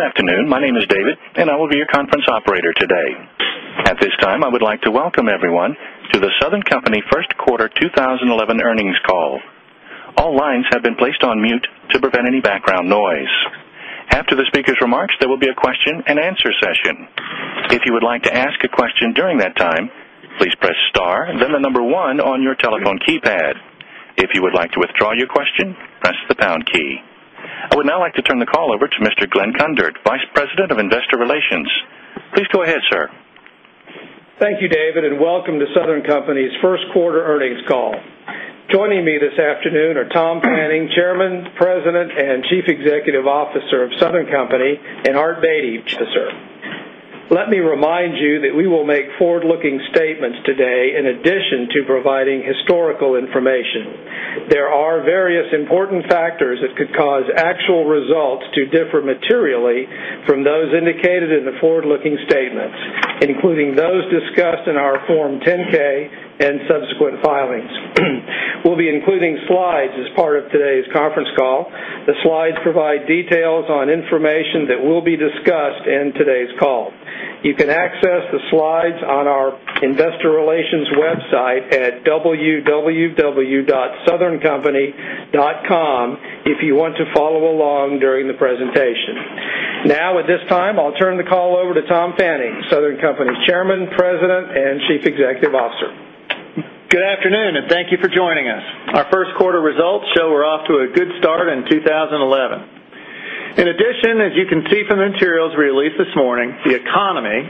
Good afternoon. My name is David, and I will be your conference operator today. At this time, I would like to welcome everyone to The Southern Company first quarter 2011 earnings call. All lines have been placed on mute to prevent any background noise. After the speaker's remarks, there will be a question-and-answer session. If you would like to ask a question during that time, please press star and then the number one on your telephone keypad. If you would like to withdraw your question, press the pound key. I would now like to turn the call over to Mr. Glen Kundert, Vice President of Investor Relations. Please go ahead, sir. Thank you, David, and welcome to Southern Company's First Quarter Earnings Call. Joining me this afternoon are Tom Fanning, Chairman, President, and Chief Executive Officer of Southern Company, and Art Beattie, Chief Financial Officer. Let me remind you that we will make forward-looking statements today in addition to providing historical information. There are various important factors that could cause actual results to differ materially from those indicated in the forward-looking statement, including those discussed in our Form 10-K and subsequent filings. We will be including slides as part of today's conference call. The slides provide details on information that will be discussed in today's call. You can access the slides on our Investor Relations website at www.southerncompany.com if you want to follow along during the presentation. At this time, I'll turn the call over to Tom Fanning, Southern Company's Chairman, President, and Chief Executive Officer. Good afternoon, and thank you for joining us. Our first quarter results show we're off to a good start in 2011. In addition, as you can see from the materials we released this morning, the economy,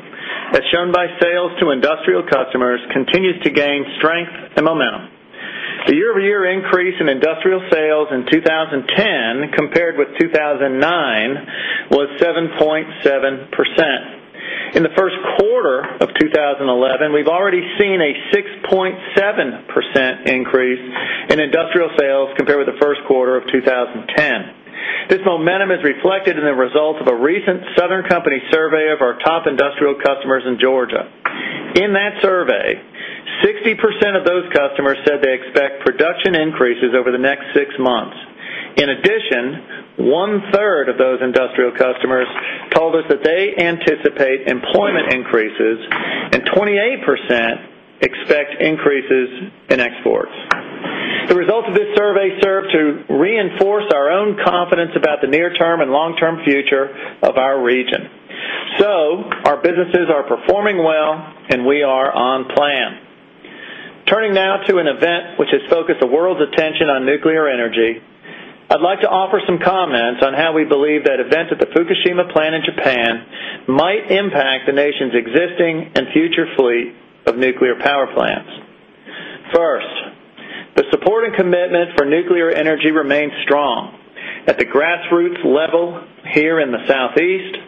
as shown by sales to industrial customers, continues to gain strength and momentum. The year-over-year increase in industrial sales in 2010 compared with 2009 was 7.7%. In the first quarter of 2011, we've already seen a 6.7% increase in industrial sales compared with the first quarter of 2010. This momentum is reflected in the results of a recent Southern Company survey of our top industrial customers in Georgia. In that survey, 60% of those customers said they expect production increases over the next six months. In addition, 1/3 of those industrial customers told us that they anticipate employment increases, and 28% expect increases in exports. The results of this survey serve to reinforce our own confidence about the near-term and long-term future of our region. Our businesses are performing well, and we're on plan. Turning now to an event which has focused the world's attention on nuclear energy, I'd like to offer some comments on how we believe that event at the Fukushima plant in Japan might impact the nation's existing and future fleet of nuclear power plants. First, the support and commitment for nuclear energy remains strong at the grassroots level here in the Southeast,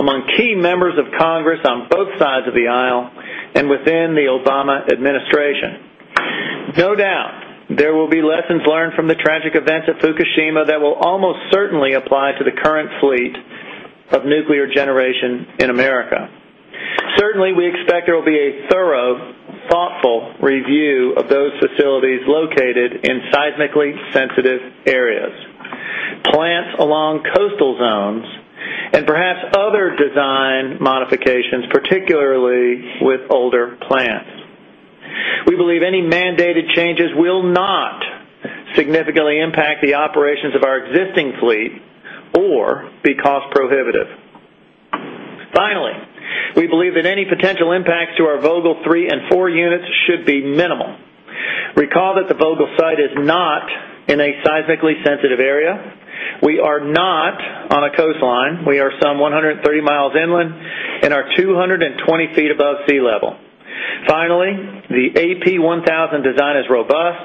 among key members of Congress on both sides of the aisle and within the Obama administration. No doubt, there will be lessons learned from the tragic events at Fukushima that will almost certainly apply to the current fleet of nuclear generation in the U.S. Certainly, we expect there will be a thorough, thoughtful review of those facilities located in seismically sensitive areas, plants along coastal zones, and perhaps other design modifications, particularly with older plants. We believe any mandated changes will not significantly impact the operations of our existing fleet or be cost-prohibitive. Finally, we believe that any potential impacts to our Plant Vogtle 3 and 4 units should be minimal. Recall that the Vogtle site is not in a seismically sensitive area. We're not on a coastline. We're some 130 mi inland and are 220 ft above sea level. Finally, the AP1000 design is robust,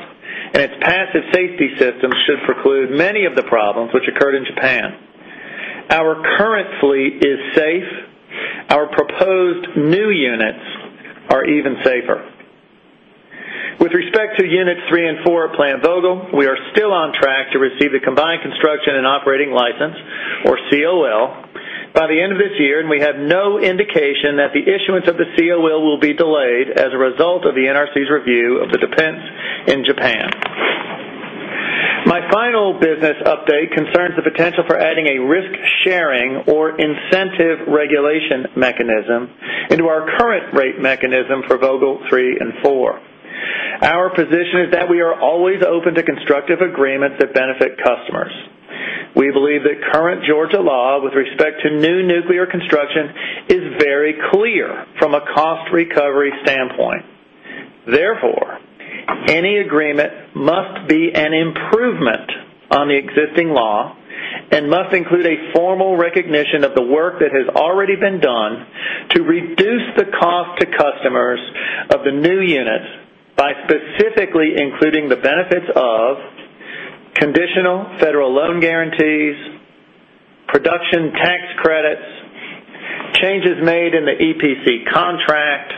and its passive safety systems should preclude many of the problems which occurred in Japan. Our current fleet is safe. Our proposed new units are even safer. With respect to units 3 and 4 at Plant Vogtle, we are still on track to receive the combined construction and operating license, or COL, by the end of this year, and we have no indication that the issuance of the COL will be delayed as a result of the NRC's review of the defense in Japan. My final business update concerns the potential for adding a risk-sharing or incentive regulation mechanism into our current rate mechanism for Vogtle 3 and 4. Our position is that we are always open to constructive agreements that benefit customers. We believe that current Georgia law with respect to new nuclear construction is very clear from a cost recovery standpoint. Therefore, any agreement must be an improvement on the existing law and must include a formal recognition of the work that has already been done to reduce the cost to customers of the new units by specifically including the benefits of conditional federal loan guarantees, production tax credits, changes made in the EPC contract,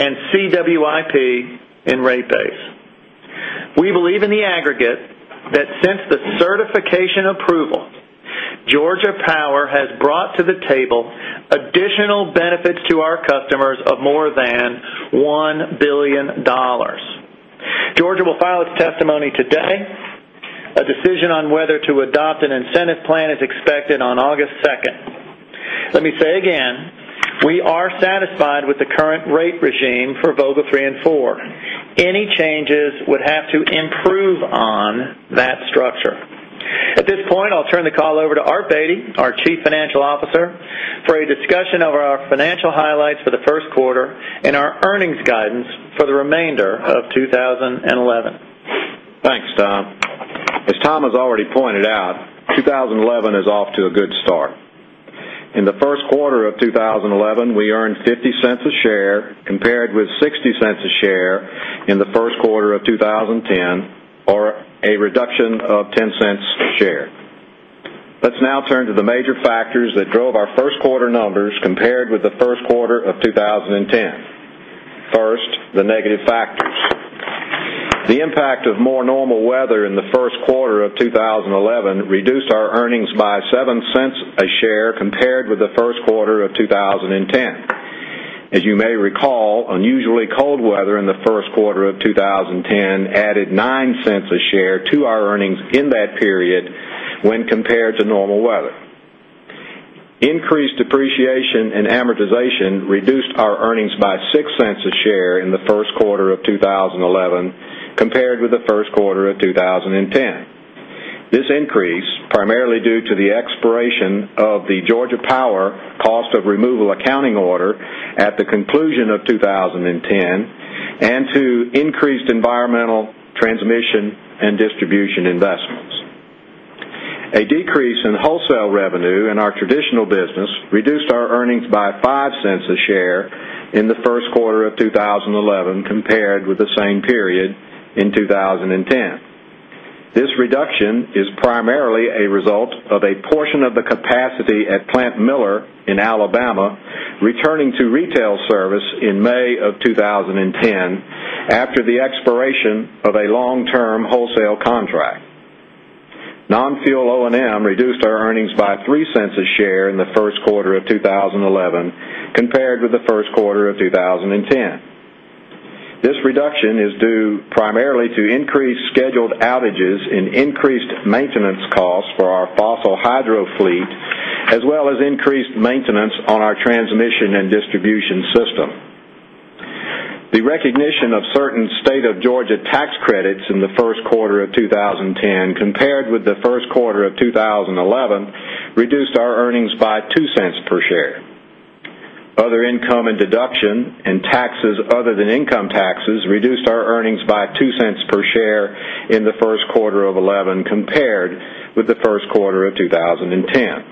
and CWIP in rate base. We believe in the aggregate that since the certification approval, Georgia Power has brought to the table additional benefits to our customers of more than $1 billion. Georgia will file its testimony today. A decision on whether to adopt an incentive plan is expected on August 2. Let me say again, we're satisfied with the current rate regime for Vogtle 3 and 4. Any changes would have to improve on that structure. At this point, I'll turn the call over to Art Beattie, our Chief Financial Officer, for a discussion of our financial highlights for the first quarter and our earnings guidance for the remainder of 2011. Thanks, Tom. As Tom has already pointed out, 2011 is off to a good start. In the first quarter of 2011, we earned $0.50 a share compared with $0.60 a share in the first quarter of 2010, or a reduction of $0.10 a share. Let's now turn to the major factors that drove our first quarter numbers compared with the first quarter of 2010. First, the negative factors. The impact of more normal weather in the first quarter of 2011 reduced our earnings by $0.07 a share compared with the first quarter of 2010. As you may recall, unusually cold weather in the first quarter of 2010 added $0.09 a share to our earnings in that period when compared to normal weather. Increased depreciation and amortization reduced our earnings by $0.06 a share in the first quarter of 2011 compared with the first quarter of 2010. This increase, primarily due to the expiration of the Georgia Power cost of removal accounting order at the conclusion of 2010 and to increased environmental, transmission, and distribution investments. A decrease in wholesale revenue in our traditional business reduced our earnings by $0.05 a share in the first quarter of 2011 compared with the same period in 2010. This reduction is primarily a result of a portion of the capacity at Plant Miller in Alabama returning to retail service in May of 2010 after the expiration of a long-term wholesale contract. Non-fuel O&M reduced our earnings by $0.03 a share in the first quarter of 2011 compared with the first quarter of 2010. This reduction is due primarily to increased scheduled outages and increased maintenance costs for our fossil hydro fleet, as well as increased maintenance on our transmission and distribution system. The recognition of certain state of Georgia tax credits in the first quarter of 2010 compared with the first quarter of 2011 reduced our earnings by $0.02 per share. Other income and deduction and taxes other than income taxes reduced our earnings by $0.02 per share in the first quarter of 2011 compared with the first quarter of 2010.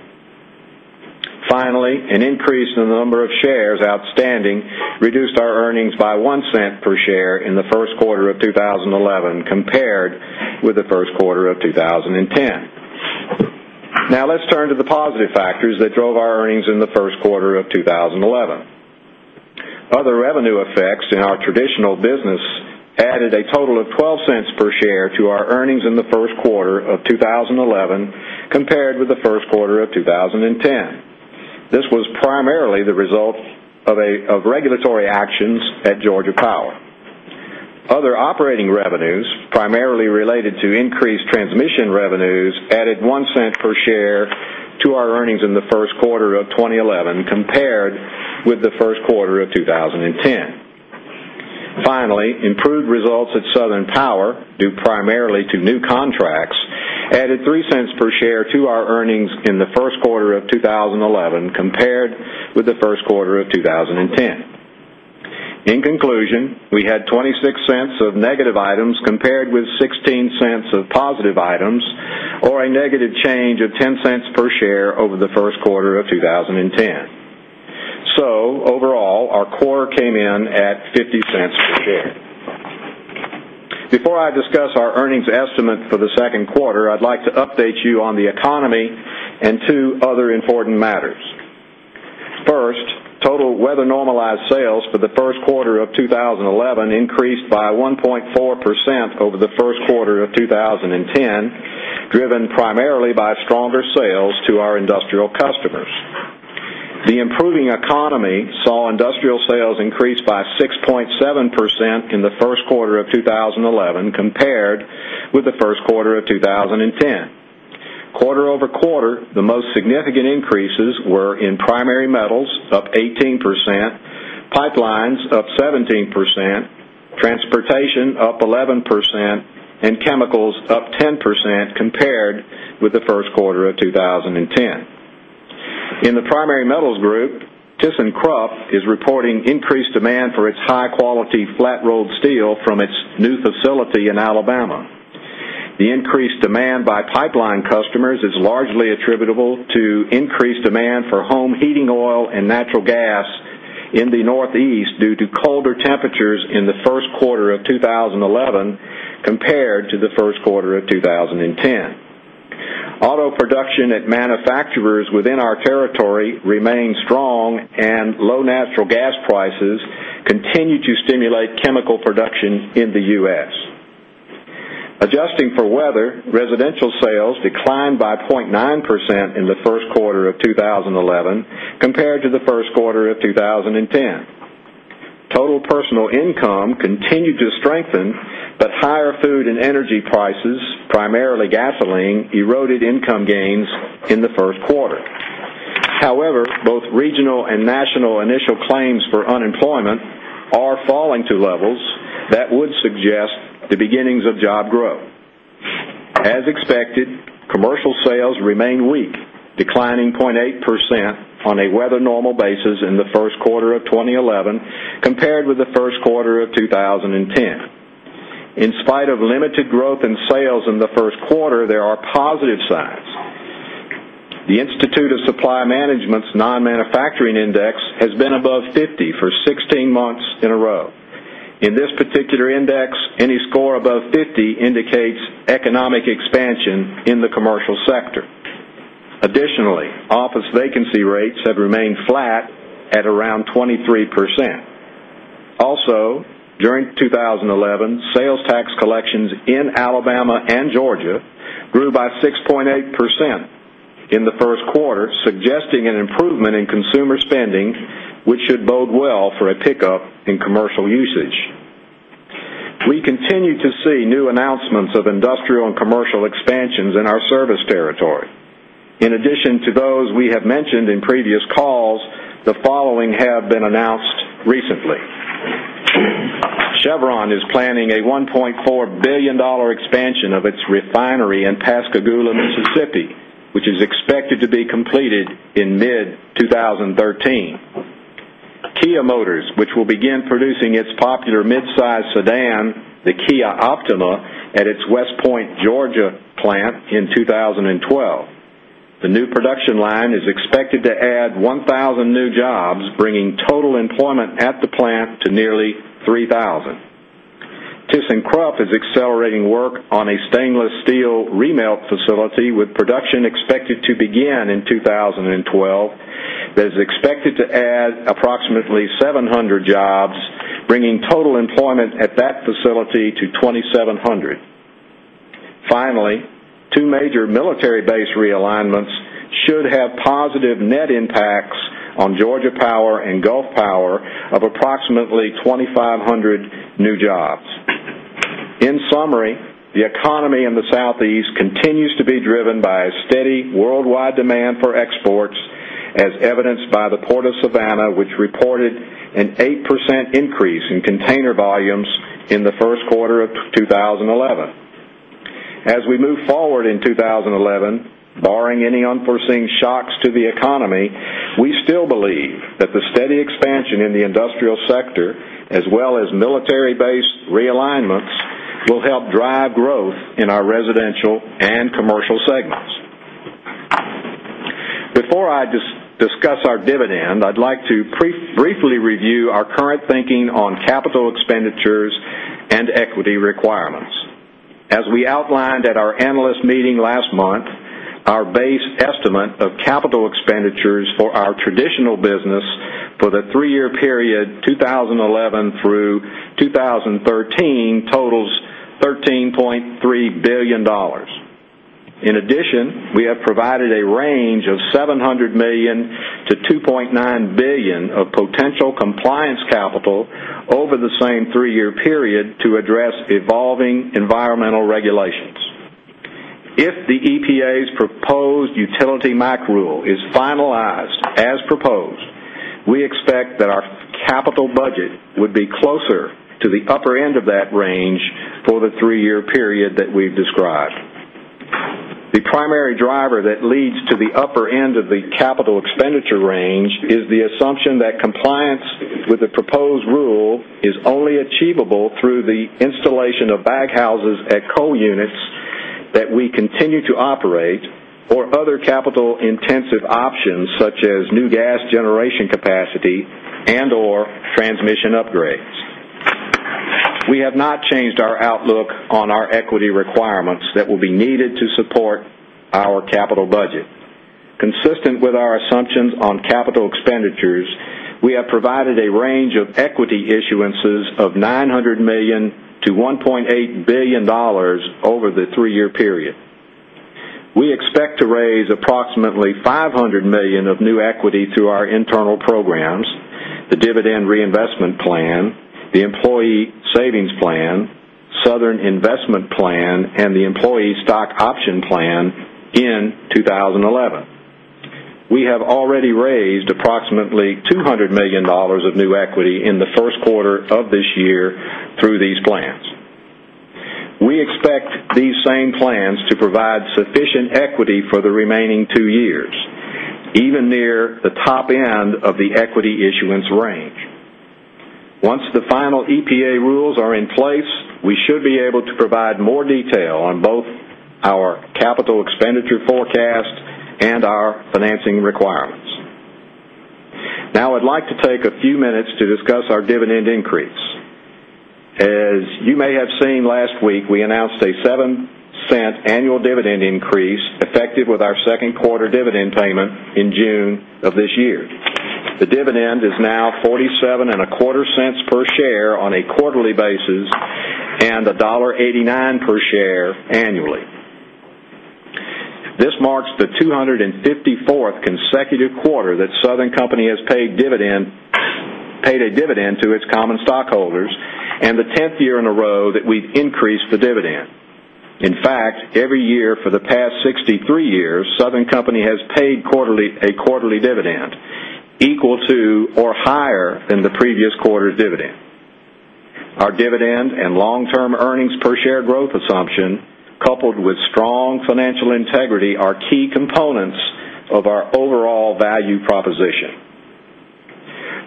Finally, an increase in the number of shares outstanding reduced our earnings by $0.01 per share in the first quarter of 2011 compared with the first quarter of 2010. Now, let's turn to the positive factors that drove our earnings in the first quarter of 2011. Other revenue effects in our traditional business added a total of $0.12 per share to our earnings in the first quarter of 2011 compared with the first quarter of 2010. This was primarily the result of regulatory actions at Georgia Power. Other operating revenues, primarily related to increased transmission revenues, added $0.01 per share to our earnings in the first quarter of 2011 compared with the first quarter of 2010. Finally, improved results at Southern Power, due primarily to new contracts, added $0.03 per share to our earnings in the first quarter of 2011 compared with the first quarter of 2010. In conclusion, we had $0.26 of negative items compared with $0.16 of positive items, or a negative change of $0.10 per share over the first quarter of 2010. Overall, our core came in at $0.50 per share. Before I discuss our earnings estimate for the second quarter, I'd like to update you on the economy and two other important matters. First, total weather-normalized sales for the first quarter of 2011 increased by 1.4% over the first quarter of 2010, driven primarily by stronger sales to our industrial customers. The improving economy saw industrial sales increase by 6.7% in the first quarter of 2011 compared with the first quarter of 2010. Quarter-over-quarter, the most significant increases were in primary metals up 18%, pipelines up 17%, transportation up 11%, and chemicals up 10% compared with the first quarter of 2010. In the primary metals group, ThyssenKrupp is reporting increased demand for its high-quality flat-rolled steel from its new facility in Alabama. The increased demand by pipeline customers is largely attributable to increased demand for home heating oil and natural gas in the Northeast due to colder temperatures in the first quarter of 2011 compared to the first quarter of 2010. Auto production at manufacturers within our territory remains strong, and low natural gas prices continue to stimulate chemical production in the U.S. Adjusting for weather, residential sales declined by 0.9% in the first quarter of 2011 compared to the first quarter of 2010. Total personal income continued to strengthen, but higher food and energy prices, primarily gasoline, eroded income gains in the third quarter. However, both regional and national initial claims for unemployment are falling to levels that would suggest the beginnings of job growth. As expected, commercial sales remain weak, declining 0.8% on a weather-normal basis in the first quarter of 2011 compared with the first quarter of 2010. In spite of limited growth in sales in the first quarter, there are positive signs. The Institute of Supply Management's non-manufacturing index has been above 50 for 16 months in a row. In this particular index, any score above 50 indicates economic expansion in the commercial sector. Additionally, office vacancy rates have remained flat at around 23%. Also, during 2011, sales tax collections in Alabama and Georgia grew by 6.8% in the first quarter, suggesting an improvement in consumer spending, which should bode well for a pickup in commercial usage. We continue to see new announcements of industrial and commercial expansions in our service territory. In addition to those we have mentioned in previous calls, the following have been announced recently. Chevron is planning a $1.4 billion expansion of its refinery in Pascagoula, Mississippi, which is expected to be completed in mid-2013. Kia Motors, which will begin producing its popular mid-size sedan, the Kia Optima, at its West Point, Georgia plant in 2012. The new production line is expected to add 1,000 new jobs, bringing total employment at the plant to nearly 3,000. ThyssenKrupp is accelerating work on a stainless steel remelt facility with production expected to begin in 2012 that is expected to add approximately 700 jobs, bringing total employment at that facility to 2,700. Finally, two major military base realignments should have positive net impacts on Georgia Power and Gulf Power of approximately 2,500 new jobs. In summary, the economy in the Southeast continues to be driven by a steady worldwide demand for exports, as evidenced by the Port of Savannah, which reported an 8% increase in container volumes in the first quarter of 2011. As we move forward in 2011, barring any unforeseen shocks to the economy, we still believe that the steady expansion in the industrial sector, as well as military base realignments, will help drive growth in our residential and commercial segments. Before I discuss our dividend, I'd like to briefly review our current thinking on capital expenditures and equity requirements. As we outlined at our analyst meeting last month, our base estimate of capital expenditures for our traditional business for the three-year period 2011 through 2013 totals $13.3 billion. In addition, we have provided a range of $700 million-$2.9 billion of potential compliance capital over the same three-year period to address evolving environmental regulations. If the EPA's proposed utility MACT rule is finalized as proposed, we expect that our capital budget would be closer to the upper end of that range for the three-year period that we've described. The primary driver that leads to the upper end of the capital expenditure range is the assumption that compliance with the proposed rule is only achievable through the installation of baghouses at coal units that we continue to operate or other capital-intensive options, such as new gas generation capacity and/or transmission upgrades. We have not changed our outlook on our equity requirements that will be needed to support our capital budget. Consistent with our assumptions on capital expenditures, we have provided a range of equity issuances of $900 million-$1.8 billion over the three-year period. We expect to raise approximately $500 million of new equity through our internal programs, the Dividend Reinvestment Plan, the Employee Savings Plan, Southern Investment Plan, and the Employee Stock Option Plan in 2011. We have already raised approximately $200 million of new equity in the first quarter of this year through these plans. We expect these same plans to provide sufficient equity for the remaining two years, even near the top end of the equity issuance range. Once the final EPA rules are in place, we should be able to provide more detail on both our capital expenditure forecast and our financing requirements. Now, I'd like to take a few minutes to discuss our dividend increase. As you may have seen last week, we announced a $0.07 annual dividend increase effective with our second quarter dividend payment in June of this year. The dividend is now $47.25 per share on a quarterly basis and $1.89 per share annually. This marks the 254th consecutive quarter that Southern Company has paid a dividend to its common stockholders and the 10th year in a row that we've increased the dividend. In fact, every year for the past 63 years, Southern Company has paid a quarterly dividend equal to or higher than the previous quarter's dividend. Our dividend and long-term earnings per share growth assumption, coupled with strong financial integrity, are key components of our overall value proposition.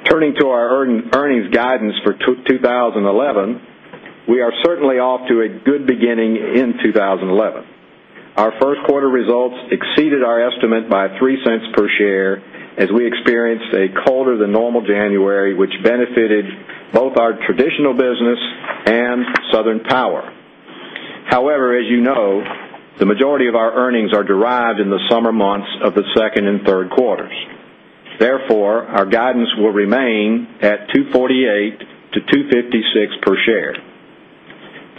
Turning to our earnings guidance for 2011, we're certainly off to a good beginning in 2011. Our first quarter results exceeded our estimate by $0.03 per share as we experienced a colder than normal January, which benefited both our traditional business and Southern Power. However, as you know, the majority of our earnings are derived in the summer months of the second and third quarters. Therefore, our guidance will remain at $2.48-$2.56 per share.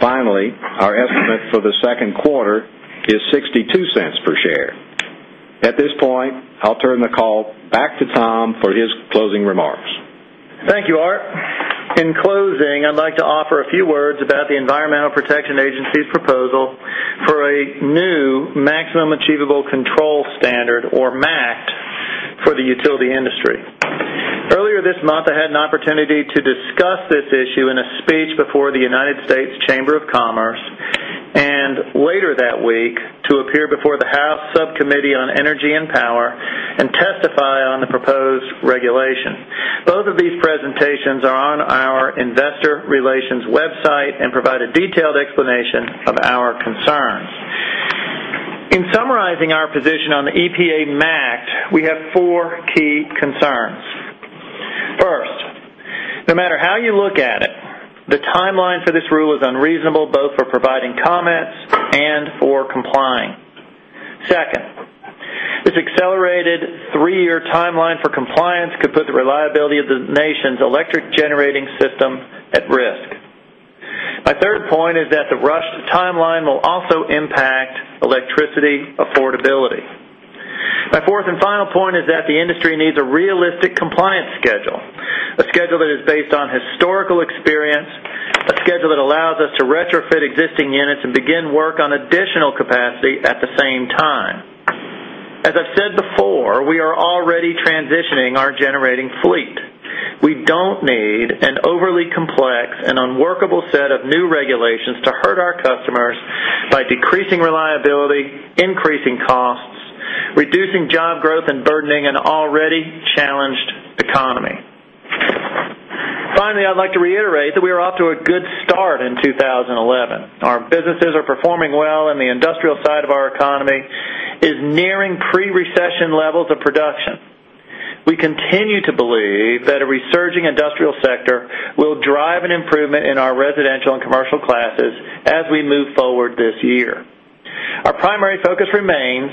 Finally, our estimate for the second quarter is $0.62 per share. At this point, I'll turn the call back to Tom for his closing remarks. Thank you, Art. In closing, I'd like to offer a few words about the Environmental Protection Agency's proposal for a new Maximum Achievable Control Technology, or MACT, for the utility industry. Earlier this month, I had an opportunity to discuss this issue in a speech before the United States Chamber of Commerce and later that week to appear before the House Subcommittee on Energy and Power and testify on the proposed regulation. Both of these presentations are on our Investor Relations website and provide a detailed explanation of our concerns. In summarizing our position on the EPA MACT, we have four key concerns. First, no matter how you look at it, the timeline for this rule is unreasonable, both for providing comments and for complying. Second, this accelerated three-year timeline for compliance could put the reliability of the nation's electric generating system at risk. My third point is that the rushed timeline will also impact electricity affordability. My fourth and final point is that the industry needs a realistic compliance schedule, a schedule that is based on historical experience, a schedule that allows us to retrofit existing units and begin work on additional capacity at the same time. As I've said before, we're already transitioning our generating fleet. We don't need an overly complex and unworkable set of new regulations to hurt our customers by decreasing reliability, increasing costs, reducing job growth, and burdening an already challenged economy. Finally, I'd like to reiterate that we are off to a good start in 2011. Our businesses are performing well, and the industrial side of our economy is nearing pre-recession levels of production. We continue to believe that a resurging industrial sector will drive an improvement in our residential and commercial classes as we move forward this year. Our primary focus remains,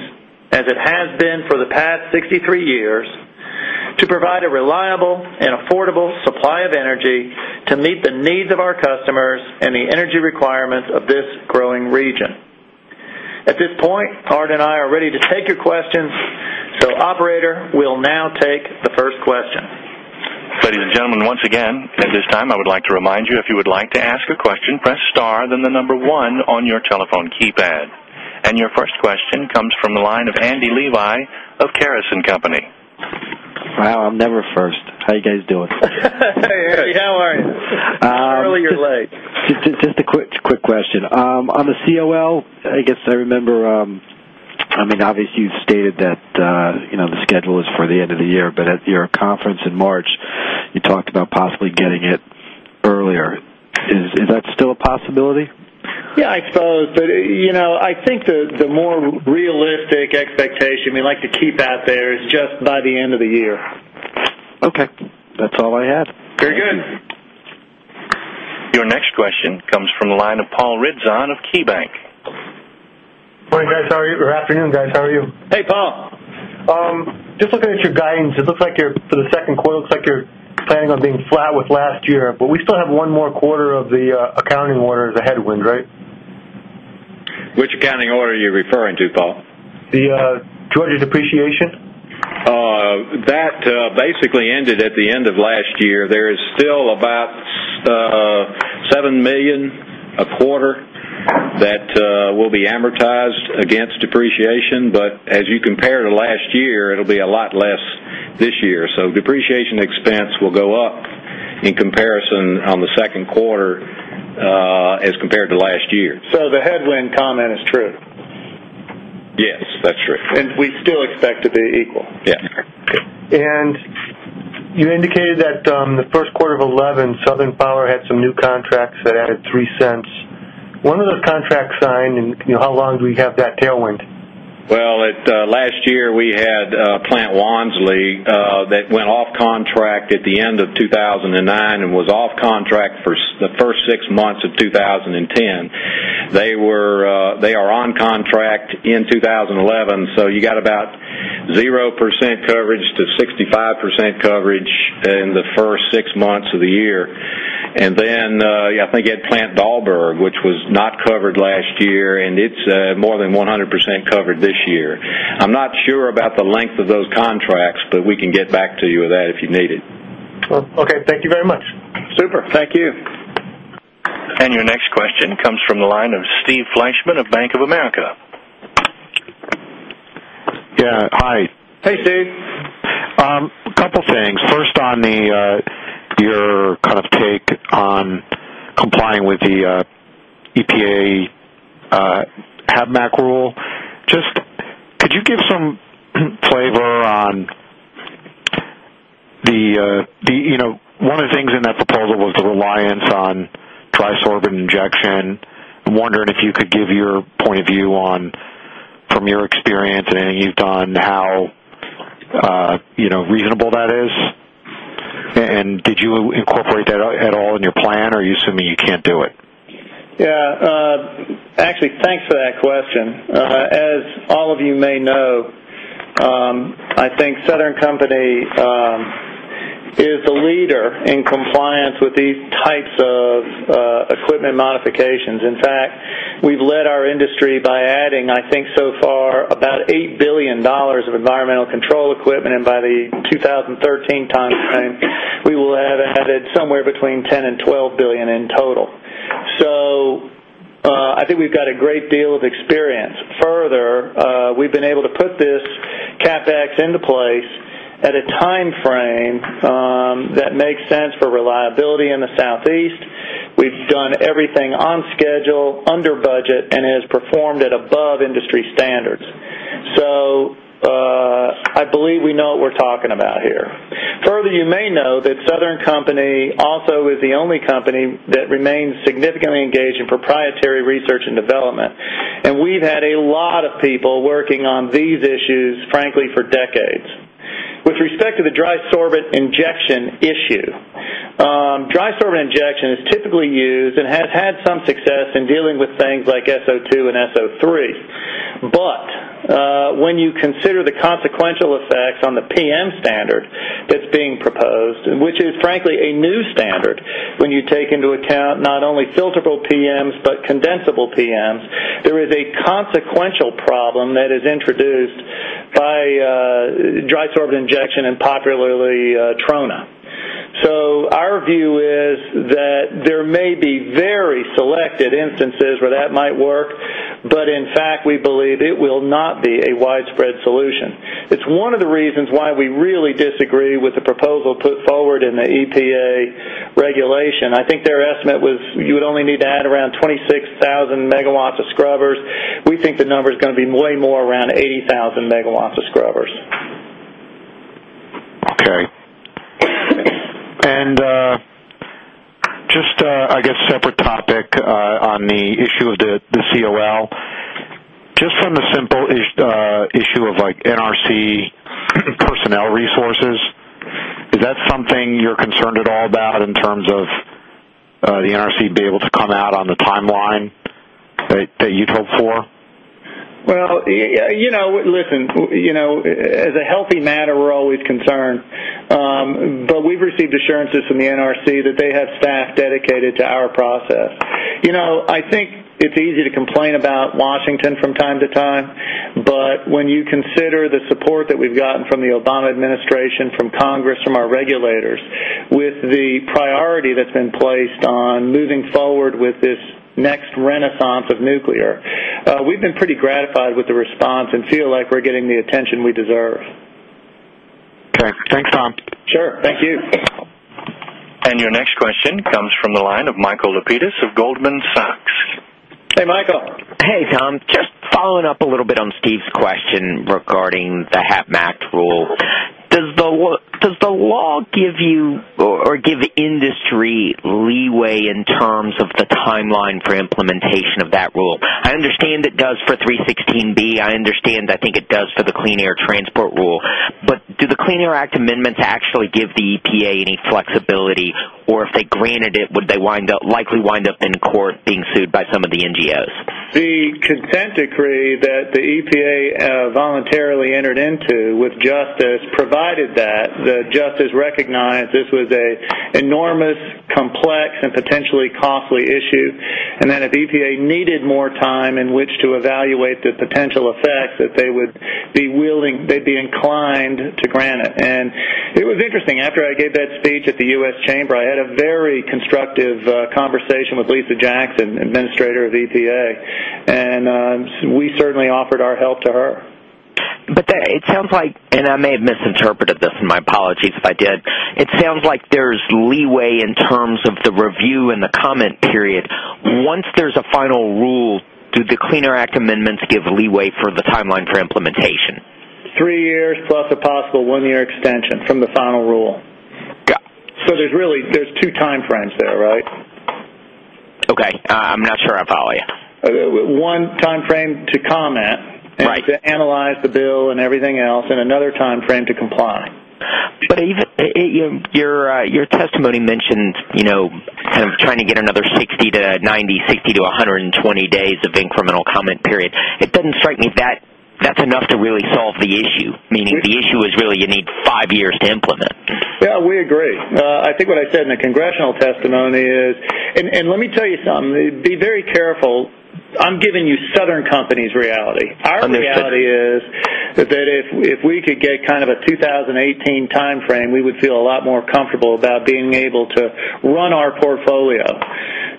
as it has been for the past 63 years, to provide a reliable and affordable supply of energy to meet the needs of our customers and the energy requirements of this growing region. At this point, Art and I are ready to take your questions, so operator will now take the first question. Ladies and gentlemen, once again, at this time, I would like to remind you if you would like to ask a question, press star, then the number one on your telephone keypad. Your first question comes from the line of Andy [Levi] of Caris & Company. Wow, I'm never first. How are you guys doing? Hey, Andy. How are you? Early or late? Just a quick question. On the COL, I guess I remember, obviously, you stated that the schedule is for the end of the year, but at your conference in March, you talked about possibly getting it earlier. Is that still a possibility? I suppose, but you know, I think the more realistic expectation, I mean, like the keypad there, is just by the end of the year. Okay, that's all I had. Very good. Your next question comes from the line of Paul Ridzon of KeyBanc. Morning, guys. How are you? Afternoon, guys. How are you? Hey, Paul. Just looking at your guidance, it looks like for the second quarter, it looks like you're planning on being flat with last year, but we still have one more quarter of the accounting order as a headwind, right? Which accounting order are you referring to, Paul? Georgia Power's depreciation. That basically ended at the end of last year. There is still about $7 million a quarter that will be amortized against depreciation, but as you compare to last year, it'll be a lot less this year. Depreciation expense will go up in comparison on the second quarter as compared to last year. Is the headwind comment true? Yes, that's true. We still expect it to be equal? Yeah. You indicated that the third quarter of 2011, Southern Power had some new contracts that added $0.03. When are the contracts signed and how long do we have that tailwind? Last year, we had Plant Wansley that went off contract at the end of 2009 and was off contract for the first six months of 2010. They were on contract in 2011, so you got about 0% coverage to 65% coverage in the first six months of the year. I think you had Plant Dahlberg, which was not covered last year, and it's more than 100% covered this year. I'm not sure about the length of those contracts, but we can get back to you with that if you need it. Okay, thank you very much. Super. Thank you. Your next question comes from the line of Steven Fleishman of Bank of America. Yeah. Hi. Hey, Steve. A couple of things. First, on your kind of take on complying with the EPA MACT rule, could you give some flavor on the, you know, one of the things in that proposal was the reliance on trisorbate injection? I'm wondering if you could give your point of view on, from your experience and anything you've done, how reasonable that is? Did you incorporate that at all in your plan, or are you assuming you can't do it? Yeah. Actually, thanks for that question. As all of you may know, I think Southern Company is the leader in compliance with these types of equipment modifications. In fact, we've led our industry by adding, I think so far, about $8 billion of environmental control equipment, and by the 2013 timeframe, we will have added somewhere between $10 billion and $12 billion in total. I think we've got a great deal of experience. Further, we've been able to put this CapEx into place at a timeframe that makes sense for reliability in the Southeast. We've done everything on schedule, under budget, and it has performed at above industry standards. I believe we know what we're talking about here. Further, you may know that Southern Company also is the only company that remains significantly engaged in proprietary research and development, and we've had a lot of people working on these issues, frankly, for decades. With respect to the trisorbate injection issue, trisorbate injection is typically used and has had some success in dealing with things like SO2 and SO3. When you consider the consequential effects on the PM standard that's being proposed, which is frankly a new standard when you take into account not only filterable PMs but condensable PMs, there is a consequential problem that is introduced by trisorbate injection and popularly TRONA. Our view is that there may be very selected instances where that might work, but in fact, we believe it will not be a widespread solution. It's one of the reasons why we really disagree with the proposal put forward in the EPA regulation. I think their estimate was you would only need to add around 26,000 MW of scrubbers. We think the number is going to be way more around 80,000 MW of scrubbers. Just, I guess, a separate topic on the issue of the combined construction and operating license, just from the simple issue of like NRC personnel resources, is that something you're concerned at all about in terms of the NRC being able to come out on the timeline that you'd hoped for? You know, as a healthy matter, we're always concerned. We've received assurances from the NRC that they have staff dedicated to our process. I think it's easy to complain about Washington from time to time, but when you consider the support that we've gotten from the Obama administration, from Congress, from our regulators, with the priority that's been placed on moving forward with this next renaissance of nuclear, we've been pretty gratified with the response and feel like we're getting the attention we deserve. Thanks, Tom. Sure. Thank you. Your next question comes from the line of Michael Lapides of Goldman Sachs. Hey, Michael. Hey, Tom. Just following up a little bit on Steve's question regarding the MACT rule. Does the law give you or give industry leeway in terms of the timeline for implementation of that rule? I understand it does for 316B. I understand, I think it does for the Clean Air Transport Rule. Do the Clean Air Act amendments actually give the EPA any flexibility, or if they granted it, would they wind up likely wind up in court being sued by some of the NGOs? The consent decree that the EPA voluntarily entered into with Justice provided that Justice recognized this was an enormous, complex, and potentially costly issue, and that if the EPA needed more time in which to evaluate the potential effects, they would be willing, they'd be inclined to grant it. It was interesting. After I gave that speech at the U.S. Chamber, I had a very constructive conversation with Lisa Jackson, Administrator of the EPA, and we certainly offered our help to her. It sounds like, and I may have misinterpreted this, and my apologies if I did, it sounds like there's leeway in terms of the review and the comment period. Once there's a final rule, do the Clean Air Act amendments give leeway for the timeline for implementation? Three years plus, if possible, one-year extension from the final rule. There are really two timeframes there, right? Okay, I'm not sure I follow you. One timeframe to comment and to analyze the bill and everything else, and another timeframe to comply. Even your testimony mentioned, you know, kind of trying to get another 60-90, 60-120 days of incremental comment period. It doesn't strike me that that's enough to really solve the issue, meaning the issue is really you need five years to implement. I think what I said in the congressional testimony is, and let me tell you something, be very careful. I'm giving you Southern Company's reality. Our reality is that if we could get kind of a 2018 timeframe, we would feel a lot more comfortable about being able to run our portfolio.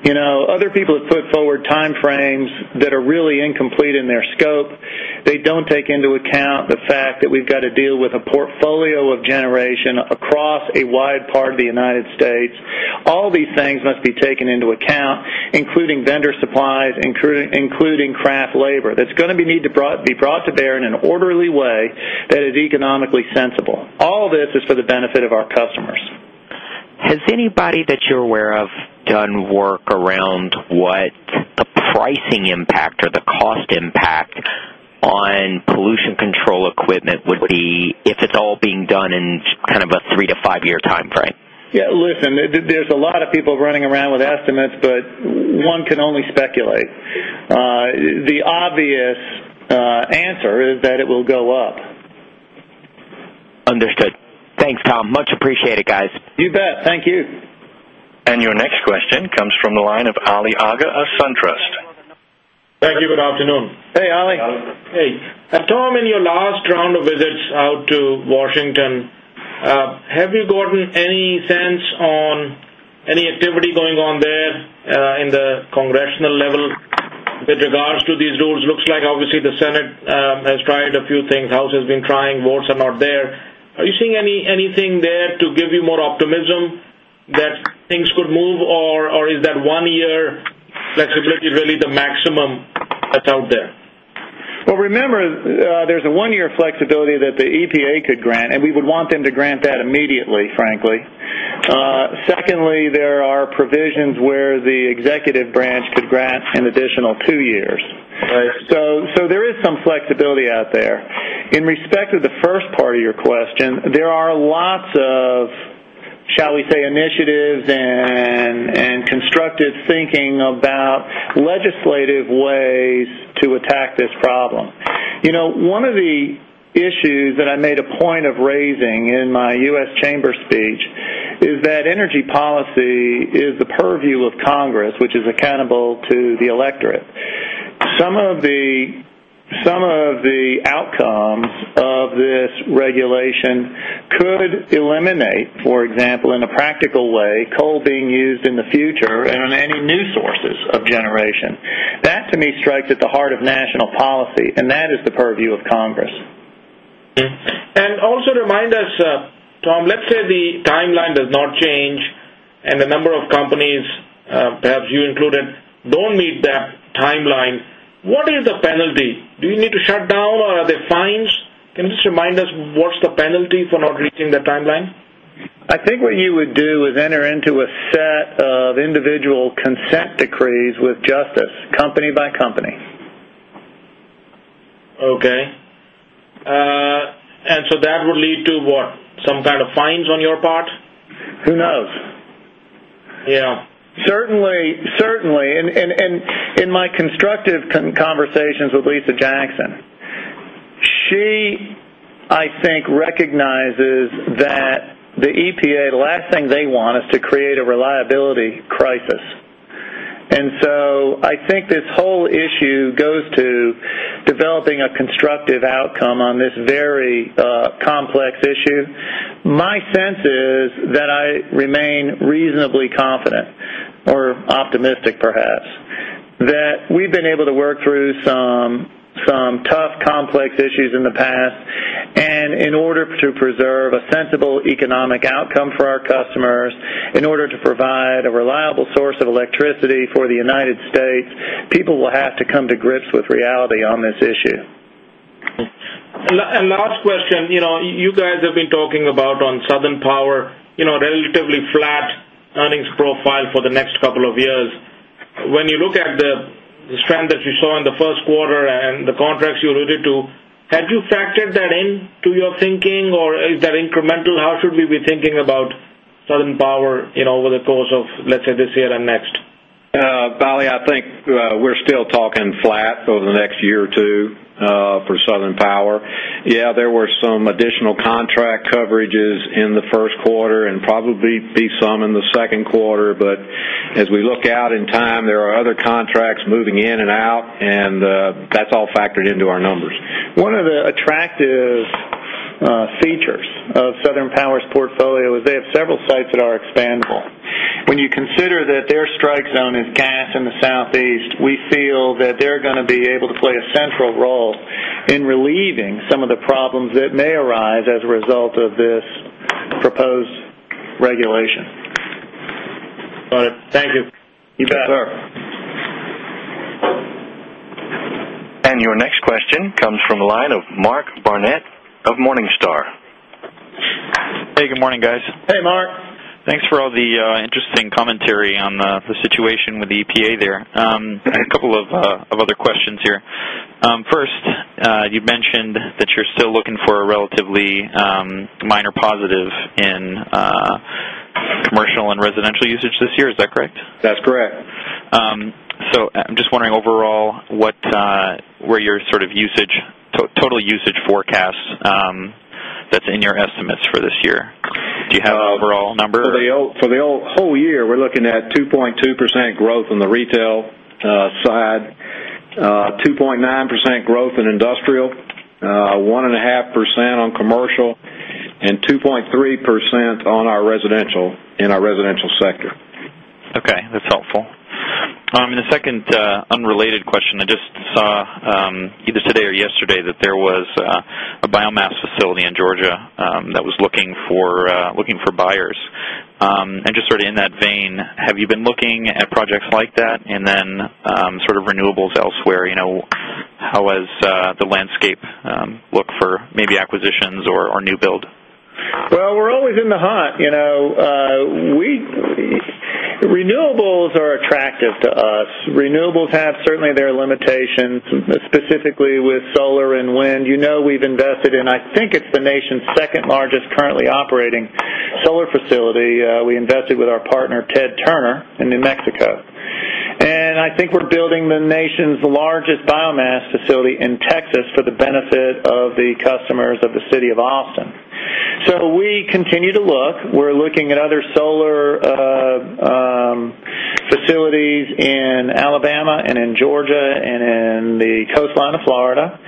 You know, other people have put forward timeframes that are really incomplete in their scope. They don't take into account the fact that we've got to deal with a portfolio of generation across a wide part of the U.S. All these things must be taken into account, including vendor supplies, including craft labor. That's going to need to be brought to bear in an orderly way that is economically sensible. All this is for the benefit of our customers. Has anybody that you're aware of done work around what pricing impact or the cost impact on pollution control equipment would be if it's all being done in kind of a three to five-year timeframe? Yeah, listen, there are a lot of people running around with estimates, but one can only speculate. The obvious answer is that it will go up. Understood. Thanks, Tom. Much appreciated, guys. You bet. Thank you. Your next question comes from the line of Ali Agha of SunTrust. Thank you. Good afternoon. Hey, Ali. Hey. Tom, in your last round of visits out to Washington, have you gotten any sense on any activity going on there at the congressional level with regards to these rules? It looks like obviously the Senate has tried a few things. The House has been trying. Votes are not there. Are you seeing anything there to give you more optimism that things could move, or is that one-year flexibility really the maximum that's out there? There is a one-year flexibility that the EPA could grant, and we would want them to grant that immediately, frankly. Secondly, there are provisions where the executive branch could grant an additional two years. There is some flexibility out there. In respect to the first part of your question, there are lots of, shall we say, initiatives and constructive thinking about legislative ways to attack this problem. You know, one of the issues that I made a point of raising in my U.S. Chamber speech is that energy policy is the purview of Congress, which is accountable to the electorate. Some of the outcomes of this regulation could eliminate, for example, in a practical way, coal being used in the future and any new sources of generation. That, to me, strikes at the heart of national policy, and that is the purview of Congress. To remind us, Tom, let's say the timeline does not change and a number of companies, perhaps you included, don't meet the timeline. What is the penalty? Do you need to shut down, or are there fines? Can you just remind us what's the penalty for not reaching the timeline? I think what you would do is enter into a set of individual consent decrees with Justice, company by company. Okay. That would lead to what? Some kind of fines on your part? Who knows? Yeah. Certainly. In my constructive conversations with Lisa Jackson, she, I think, recognizes that the EPA, the last thing they want is to create a reliability crisis. I think this whole issue goes to developing a constructive outcome on this very complex issue. My sense is that I remain reasonably confident or optimistic, perhaps, that we've been able to work through some tough, complex issues in the past, and in order to preserve a sensible economic outcome for our customers, in order to provide a reliable source of electricity for the U.S., people will have to come to grips with reality on this issue. You guys have been talking about, on Southern Power, a relatively flat earnings profile for the next couple of years. When you look at the strength that you saw in the first quarter and the contracts you alluded to, had you factored that into your thinking, or is that incremental? How should we be thinking about Southern Power over the course of, let's say, this year and next? Ali, I think we're still talking flat over the next year or two for Southern Power. Yeah, there were some additional contract coverages in the first quarter, and probably be some in the second quarter, but as we look out in time, there are other contracts moving in and out, and that's all factored into our numbers. One of the attractive features of Southern Power's portfolio is they have several sites that are expandable. When you consider that their strike zone is gas in the Southeast, we feel that they're going to be able to play a central role in relieving some of the problems that may arise as a result of this proposed regulation. All right. Thank you. You bet. Sure. Your next question comes from the line of Mark Barnett of Morningstar. Hey, good morning, guys. Hey, Mark. Thanks for all the interesting commentary on the situation with the EPA there. I have a couple of other questions here. First, you mentioned that you're still looking for a relatively minor positive in commercial and residential usage this year. Is that correct? That's correct. I'm just wondering, overall, what were your sort of usage, total usage forecasts that's in your estimates for this year? Do you have an overall number? For the whole year, we're looking at 2.2% growth on the retail side, 2.9% growth in industrial, 1.5% on commercial, and 2.3% in our residential sector. Okay, that's helpful. The second unrelated question, I just saw either today or yesterday that there was a biomass facility in Georgia that was looking for buyers. Just sort of in that vein, have you been looking at projects like that and then sort of renewables elsewhere? You know, how has the landscape looked for maybe acquisitions or new build? We're always in the hunt. You know, renewables are attractive to us. Renewables have certainly their limitations, specifically with solar and wind. You know, we've invested in, I think it's the nation's second largest currently operating solar facility. We invested with our partner, Ted Turner, in New Mexico. I think we're building the nation's largest biomass facility in Texas for the benefit of the customers of the city of Austin. We continue to look. We're looking at other solar facilities in Alabama and in Georgia and in the coastline of Florida.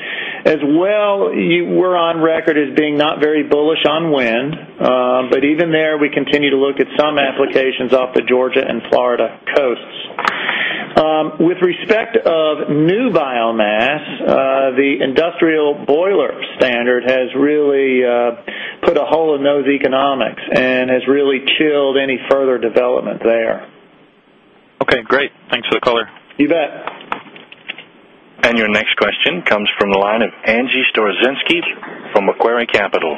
As well, we're on record as being not very bullish on wind, but even there, we continue to look at some applications off the Georgia and Florida coasts. With respect to new biomass, the industrial boiler standard has really put a hole in those economics and has really chilled any further development there. Okay, great. Thanks for the color. You bet. Your next question comes from the line of Angie Storozynski from Macquarie Capital.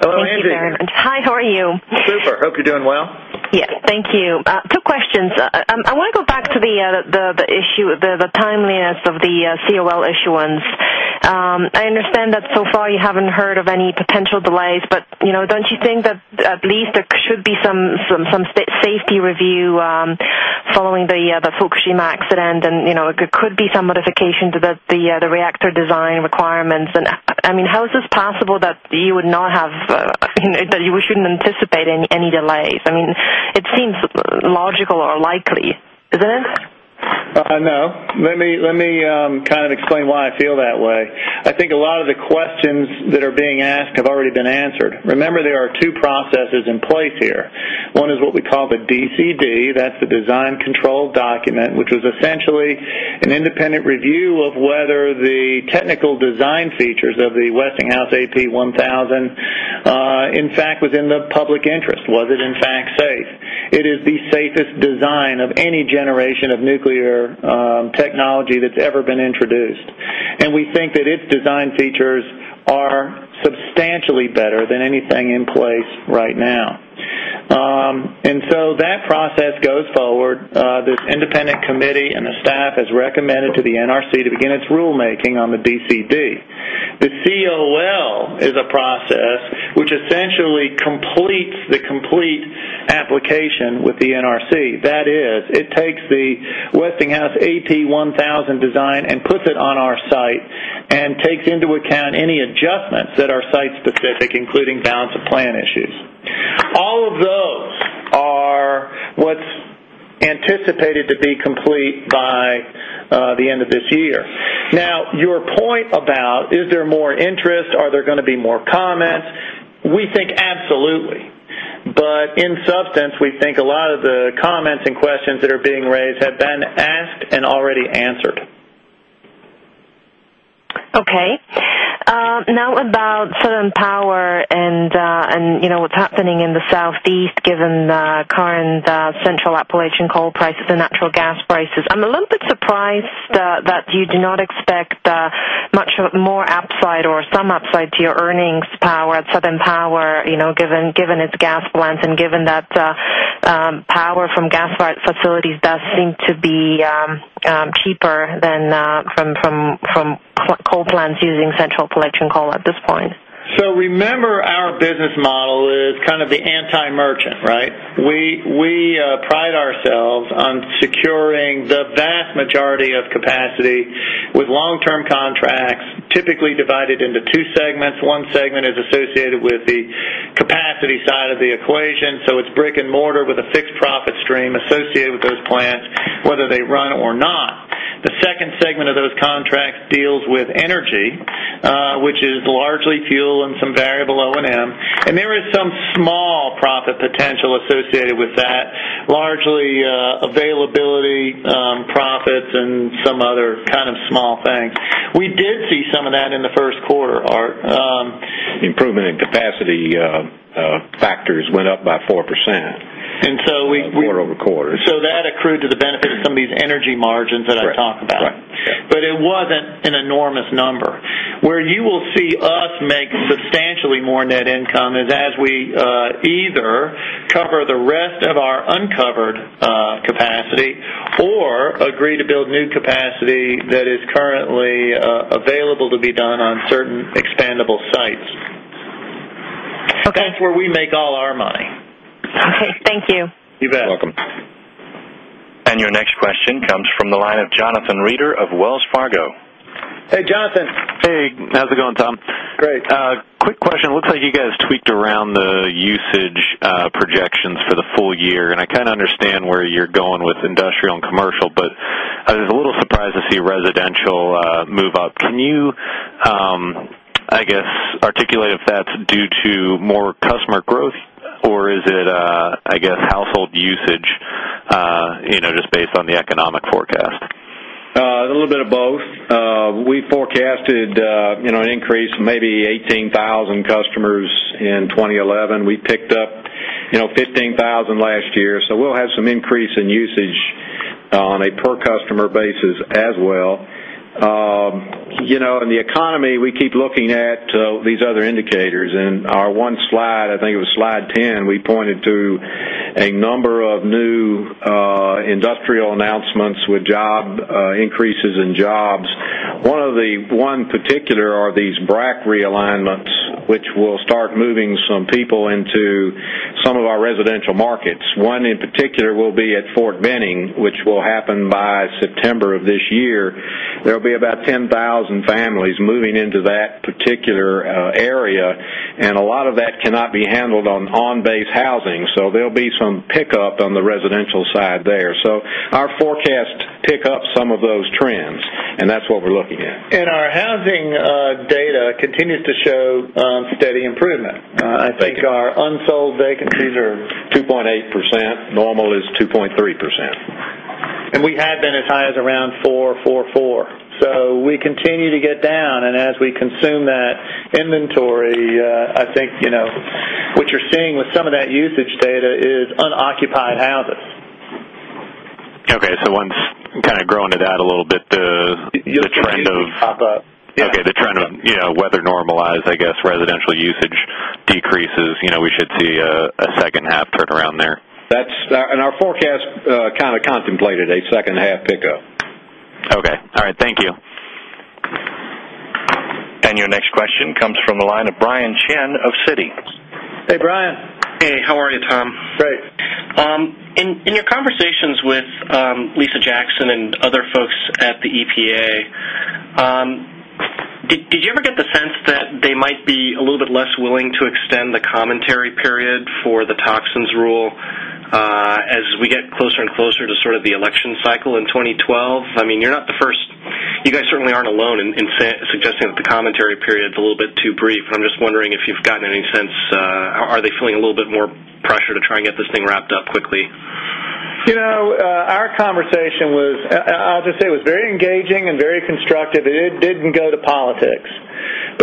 Hello, Angie. Hi, how are you? Super. Hope you're doing well. Yes, thank you. Two questions. I want to go back to the issue of the timeliness of the COL issuance. I understand that so far you haven't heard of any potential delays, but don't you think that at least there should be some safety review following the Fukushima accident? There could be some modifications to the reactor design requirements. How is this possible that you would not have, that you shouldn't anticipate any delays? It seems logical or likely, isn't it? No. Let me kind of explain why I feel that way. I think a lot of the questions that are being asked have already been answered. Remember, there are two processes in place here. One is what we call the DCD. That's the design control document, which was essentially an independent review of whether the technical design features of the Westinghouse AP1000, in fact, was in the public interest. Was it, in fact, safe? It is the safest design of any generation of nuclear technology that's ever been introduced. We think that its design features are substantially better than anything in place right now, and so that process goes forward. This independent committee and the staff has recommended to the NRC to begin its rulemaking on the DCD. The COL is a process which essentially completes the complete application with the NRC. That is, it takes the Westinghouse AP1000 design and puts it on our site and takes into account any adjustments that are site-specific, including balance of plan issues. All of those are what's anticipated to be complete by the end of this year. Now, your point about is there more interest? Are there going to be more comments? We think absolutely. In substance, we think a lot of the comments and questions that are being raised have been asked and already answered. Okay. Now about Southern Power and what's happening in the Southeast, given the current Central Appalachian coal prices and natural gas prices, I'm a little bit surprised that you do not expect much more upside or some upside to your earnings, Power, at Southern Power, you know, given its gas plants and given that power from gas-fired facilities does seem to be cheaper than from coal plants using Central Appalachian coal at this point. Remember, our business model is kind of the anti-merchant, right? We pride ourselves on securing the vast majority of capacity with long-term contracts, typically divided into two segments. One segment is associated with the capacity side of the equation. It's brick and mortar with a fixed profit stream associated with those plants, whether they run or not. The second segment of those contracts deals with energy, which is largely fuel and some variable O&M. There is some small profit potential associated with that, largely availability profits and some other kind of small things. We did see some of that in the first quarter. Improvement in capacity factors went up by 4%. And so we. Quarter-over-quarter. That accrued to the benefit of some of these energy margins that I talk about. Right. It wasn't an enormous number. Where you will see us make substantially more net income is as we either cover the rest of our uncovered capacity or agree to build new capacity that is currently available to be done on certain expandable sites. Okay. That's where we make all our money. Okay, thank you. You bet. You're welcome. Your next question comes from the line of Jonathan Reeder of Wells Fargo. Hey, Jonathan. Hey. How's it going, Tom? Great. Quick question. It looks like you guys tweaked around the usage projections for the full year, and I kind of understand where you're going with industrial and commercial, but I was a little surprised to see residential move up. Can you articulate if that's due to more customer growth, or is it household usage, just based on the economic forecast? A little bit of both. We forecasted, you know, an increase of maybe 18,000 customers in 2011. We picked up, you know, 15,000 last year. We'll have some increase in usage on a per-customer basis as well. In the economy, we keep looking at these other indicators. In our one slide, I think it was slide 10, we pointed to a number of new industrial announcements with increases in jobs. One particular area is these BRAC realignments, which will start moving some people into some of our residential markets. One in particular will be at Fort Benning, which will happen by September of this year. There will be about 10,000 families moving into that particular area, and a lot of that cannot be handled on on-base housing. There will be some pickup on the residential side there. Our forecasts pick up some of those trends, and that's what we're looking at. Our housing data continues to show steady improvement. I think our unsold vacancies are 2.8%. Normal is 2.3%. We had been as high as around [4.44%]. We continue to get down, and as we consume that inventory, I think what you're seeing with some of that usage data is unoccupied houses. Okay. Once kind of growing to that a little bit, the trend of. You'll see that pop up. Okay. The trend of, you know, whether normalized, I guess, residential usage decreases, you know, we should see a second half turnaround there. That's our forecast kind of contemplated a second half pickup. Okay. All right, thank you. Your next question comes from the line of Brian Chan of Citi. Hey, Brian. Hey, how are you, Tom? Great. Right. In your conversations with Lisa Jackson and other folks at the EPA, did you ever get the sense that they might be a little bit less willing to extend the commentary period for the toxins rule as we get closer and closer to the election cycle in 2012? I mean, you're not the first. You guys certainly aren't alone in suggesting that the commentary period is a little bit too brief, and I'm just wondering if you've gotten any sense. Are they feeling a little bit more pressure to try and get this thing wrapped up quickly? You know, our conversation was, I'll just say, it was very engaging and very constructive. It didn't go to politics.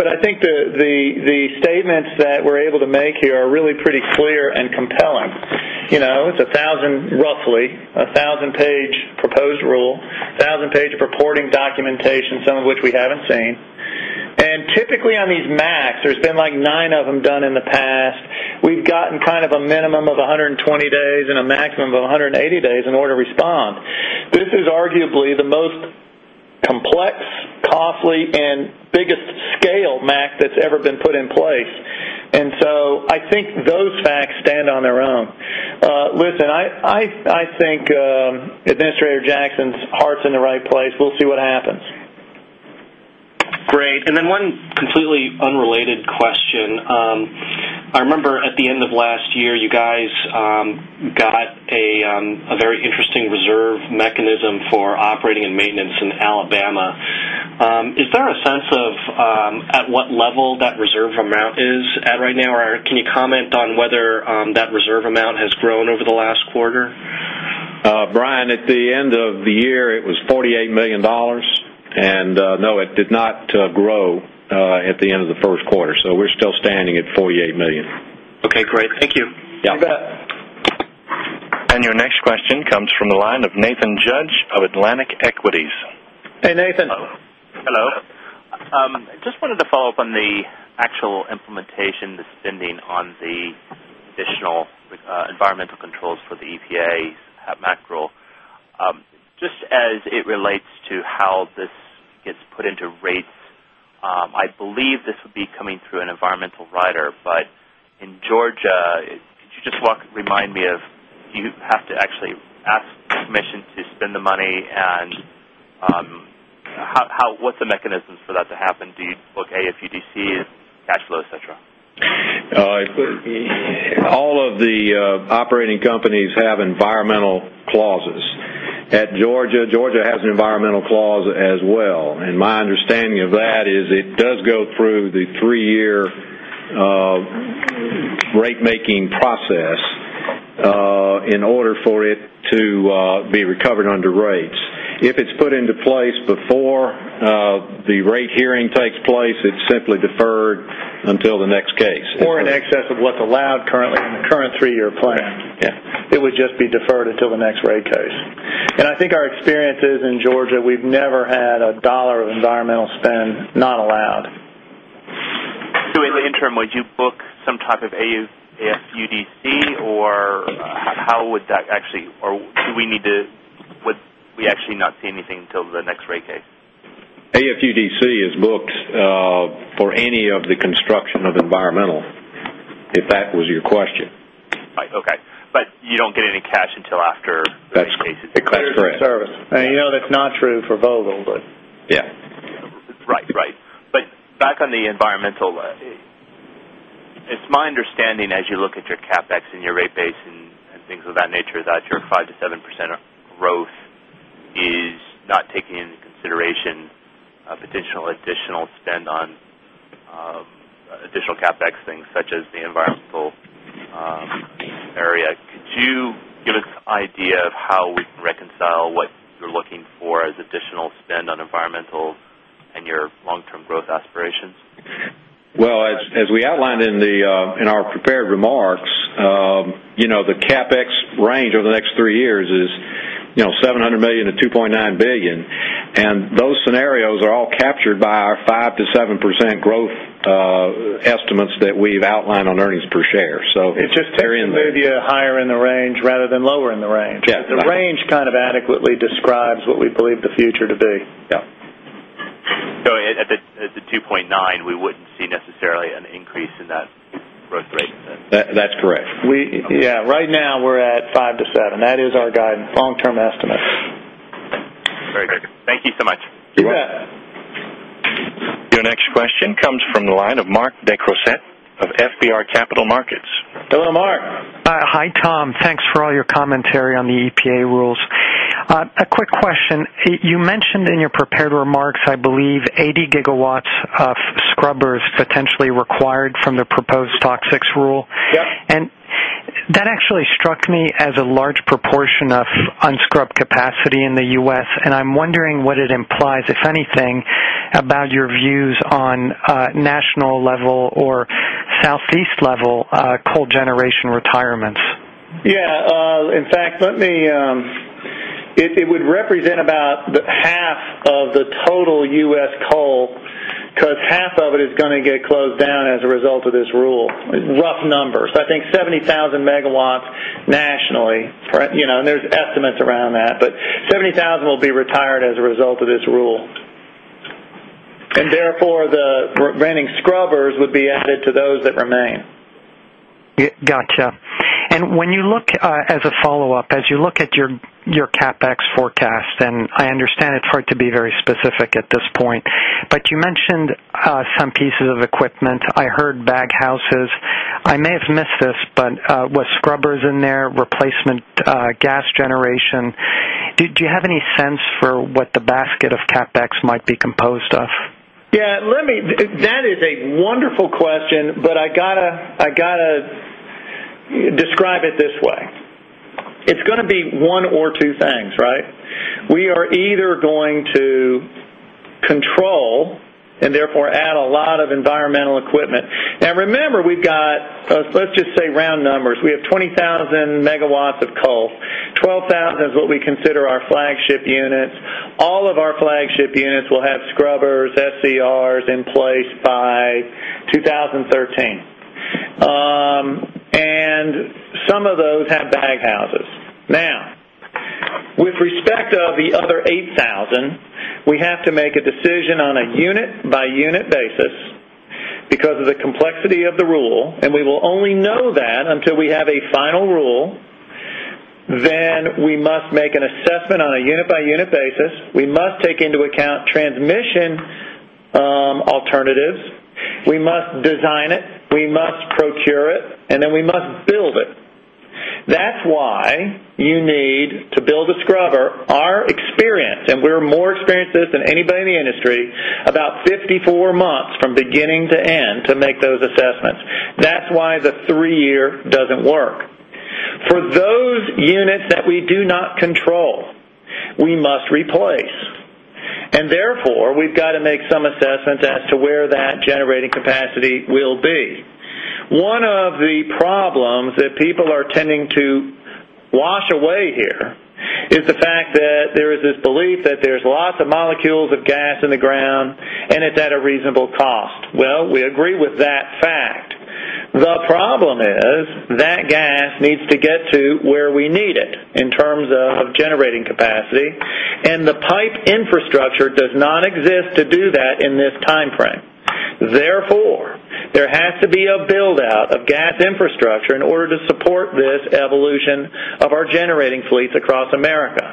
I think the statements that we're able to make here are really pretty clear and compelling. You know, it's a thousand, roughly, a thousand-page proposed rule, a thousand pages of reporting documentation, some of which we haven't seen. Typically, on these MACTs, there have been like nine of them done in the past. We've gotten kind of a minimum of 120 days and a maximum of 180 days in order to respond. This is arguably the most complex, costly, and biggest-scale MACT that's ever been put in place. I think those facts stand on their own. Listen, I think Administrator Jackson's heart's in the right place. We'll see what happens. Great. One completely unrelated question. I remember at the end of last year, you guys got a very interesting reserve mechanism for operating and maintenance in Alabama. Is there a sense of at what level that reserve amount is at right now, or can you comment on whether that reserve amount has grown over the last quarter? Brian, at the end of the year, it was $48 million, and no, it did not grow at the end of the first quarter. We're still standing at $48 million. Okay. Great. Thank you. Yeah. You bet. Your next question comes from the line of Nathan Judge of Atlantic Equities. Hey, Nathan. Hello. I just wanted to follow up on the actual implementation and spending on the additional environmental controls for the EPA's MACT rule. Just as it relates to how this gets put into rates, I believe this would be coming through an environmental rider, but in Georgia, could you just remind me if you have to actually ask permission to spend the money, and what's the mechanism for that to happen? Do you book AFUDCs, cash flow, et cetera? All of the operating companies have environmental clauses. At Georgia Power, Georgia Power has an environmental clause as well. My understanding of that is it does go through the three-year rate-making process in order for it to be recovered under rates. If it's put into place before the rate hearing takes place, it's simply deferred until the next case in excess of what's allowed currently on the current three-year plan. Yeah. It would just be deferred until the next rate case. I think our experiences in Georgia, we've never had a dollar of environmental spend not allowed. In the interim, would you book some type of AFUDC, or how would that actually, or do we need to, would we actually not see anything until the next rate case? AFUDC is booked for any of the construction of environmental, if that was your question. Right. Okay. You don't get any cash until after those cases? That's correct. Service. You know, that's not true for Vogtle. Right. Right. It's my understanding as you look at your CapEx and your rate base and things of that nature that your 5%-7% growth is not taking into consideration potential additional spend on additional CapEx things such as the environmental area. Could you give us an idea of how we can reconcile what you're looking for as additional spend on environmental and your long-term growth aspirations? As we outlined in our prepared remarks, you know, the CapEx range over the next three years is, you know, $700 million-$2.9 billion. Those scenarios are all captured by our 5%-7% growth estimates that we've outlined on earnings per share. It's just there to move you higher in the range rather than lower in the range. Yeah. Yeah. The range kind of adequately describes what we believe the future to be. At the $2.9 billion, we wouldn't see necessarily an increase in that growth rate, is it? That's correct. Right now, we're at 5%-7%. That is our guidance long-term estimate. Very good. Thank you so much. You're welcome. Your next question comes from the line of Mark [Decrossette] of FBR Capital Markets. Hello, Mark. Hi, Tom. Thanks for all your commentary on the EPA rules. A quick question. You mentioned in your prepared remarks, I believe, 80gw of scrubbers potentially required from the proposed Toxics Rule. Yeah. That actually struck me as a large proportion of unscrubbed capacity in the U.S., and I'm wondering what it implies, if anything, about your views on national level or Southeast level coal generation retirements. In fact, let me, it would represent about half of the total U.S. coal because half of it is going to get closed down as a result of this rule. Rough numbers, I think 70,000 MW nationally, you know, and there's estimates around that, but 70,000 MW will be retired as a result of this rule. Therefore, the remaining scrubbers would be added to those that remain. Gotcha. As you look at your CapEx forecast, I understand it's hard to be very specific at this point, but you mentioned some pieces of equipment. I heard baghouses. I may have missed this, but was scrubbers in there, replacement gas generation? Do you have any sense for what the basket of CapEx might be composed of? Yeah. That is a wonderful question, but I got to describe it this way. It's going to be one or two things, right? We are either going to control and therefore add a lot of environmental equipment. Remember, we've got, let's just say round numbers. We have 20,000 MW of coal. 12,000 MW is what we consider our flagship units. All of our flagship units will have scrubbers, FCRs in place by 2013. Some of those have baghouses. Now, with respect to the other 8,000 MW, we have to make a decision on a unit-by-unit basis because of the complexity of the rule, and we will only know that until we have a final rule. We must make an assessment on a unit-by-unit basis. We must take into account transmission alternatives. We must design it. We must procure it. We must build it. That's why you need to build a scrubber. Our experience, and we're more experienced than anybody in the industry, about 54 months from beginning to end to make those assessments. That's why the three-year doesn't work. For those units that we do not control, we must replace. Therefore, we've got to make some assessments as to where that generating capacity will be. One of the problems that people are tending to wash away here is the fact that there is this belief that there's lots of molecules of gas in the ground and it's at a reasonable cost. We agree with that fact. The problem is that gas needs to get to where we need it in terms of generating capacity, and the pipe infrastructure does not exist to do that in this timeframe. Therefore, there has to be a build-out of gas infrastructure in order to support this evolution of our generating fleets across America.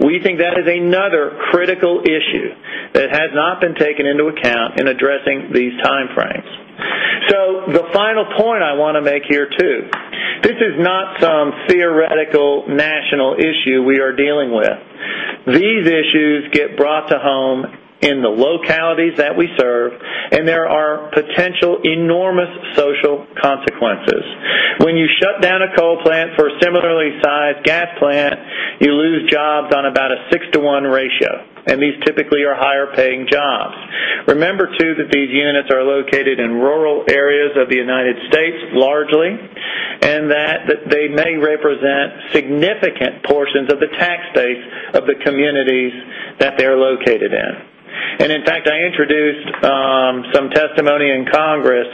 We think that is another critical issue that has not been taken into account in addressing these timeframes. The final point I want to make here too, this is not some theoretical national issue we are dealing with. These issues get brought to home in the localities that we serve, and there are potential enormous social consequences. When you shut down a coal plant for a similarly sized gas plant, you lose jobs on about a six-to-one ratio, and these typically are higher-paying jobs. Remember too that these units are located in rural areas of the U.S. largely, and that they may represent significant portions of the tax base of the communities that they're located in. In fact, I introduced some testimony in Congress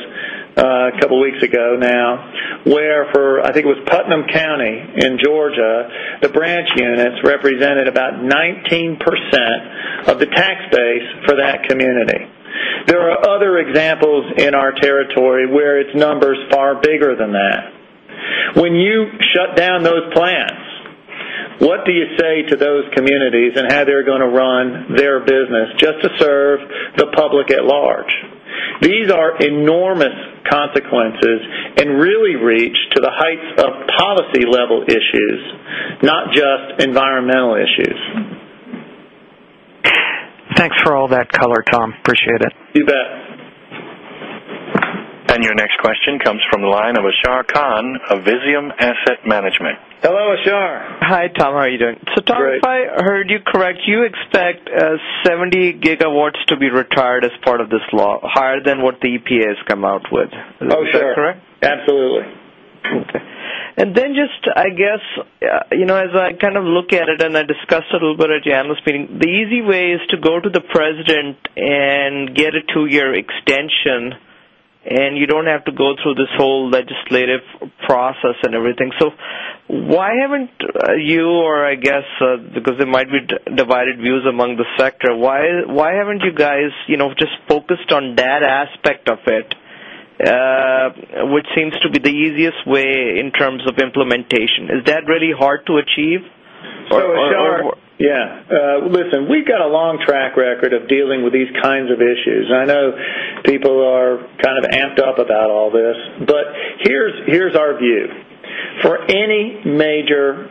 a couple of weeks ago now, where for, I think it was Putnam County in Georgia, the branch units represented about 19% of the tax base for that community. There are other examples in our territory where its number is far bigger than that. When you shut down those plants, what do you say to those communities and how they're going to run their business just to serve the public at large? These are enormous consequences and really reach to the heights of policy-level issues, not just environmental issues. Thanks for all that color, Tom. Appreciate it. You bet. Your next question comes from the line of [Ashar] Khan of Visium Asset Management. Hello, [Ashar]. Hi, Tom. How are you doing? Great. Tom, if I heard you correct, you expect 70 GW to be retired as part of this law, higher than what the EPA has come out with. Oh, sure. Is that correct? Absolutely. Okay. As I kind of look at it and I discussed it a little bit at the analyst meeting, the easy way is to go to the president and get a two-year extension, and you don't have to go through this whole legislative process and everything. Why haven't you, or I guess because there might be divided views among the sector, why haven't you guys just focused on that aspect of it, which seems to be the easiest way in terms of implementation? Is that really hard to achieve? So, [Ashar]. Yeah. Listen, we've got a long track record of dealing with these kinds of issues. I know people are kind of amped up about all this, but here's our view. For any major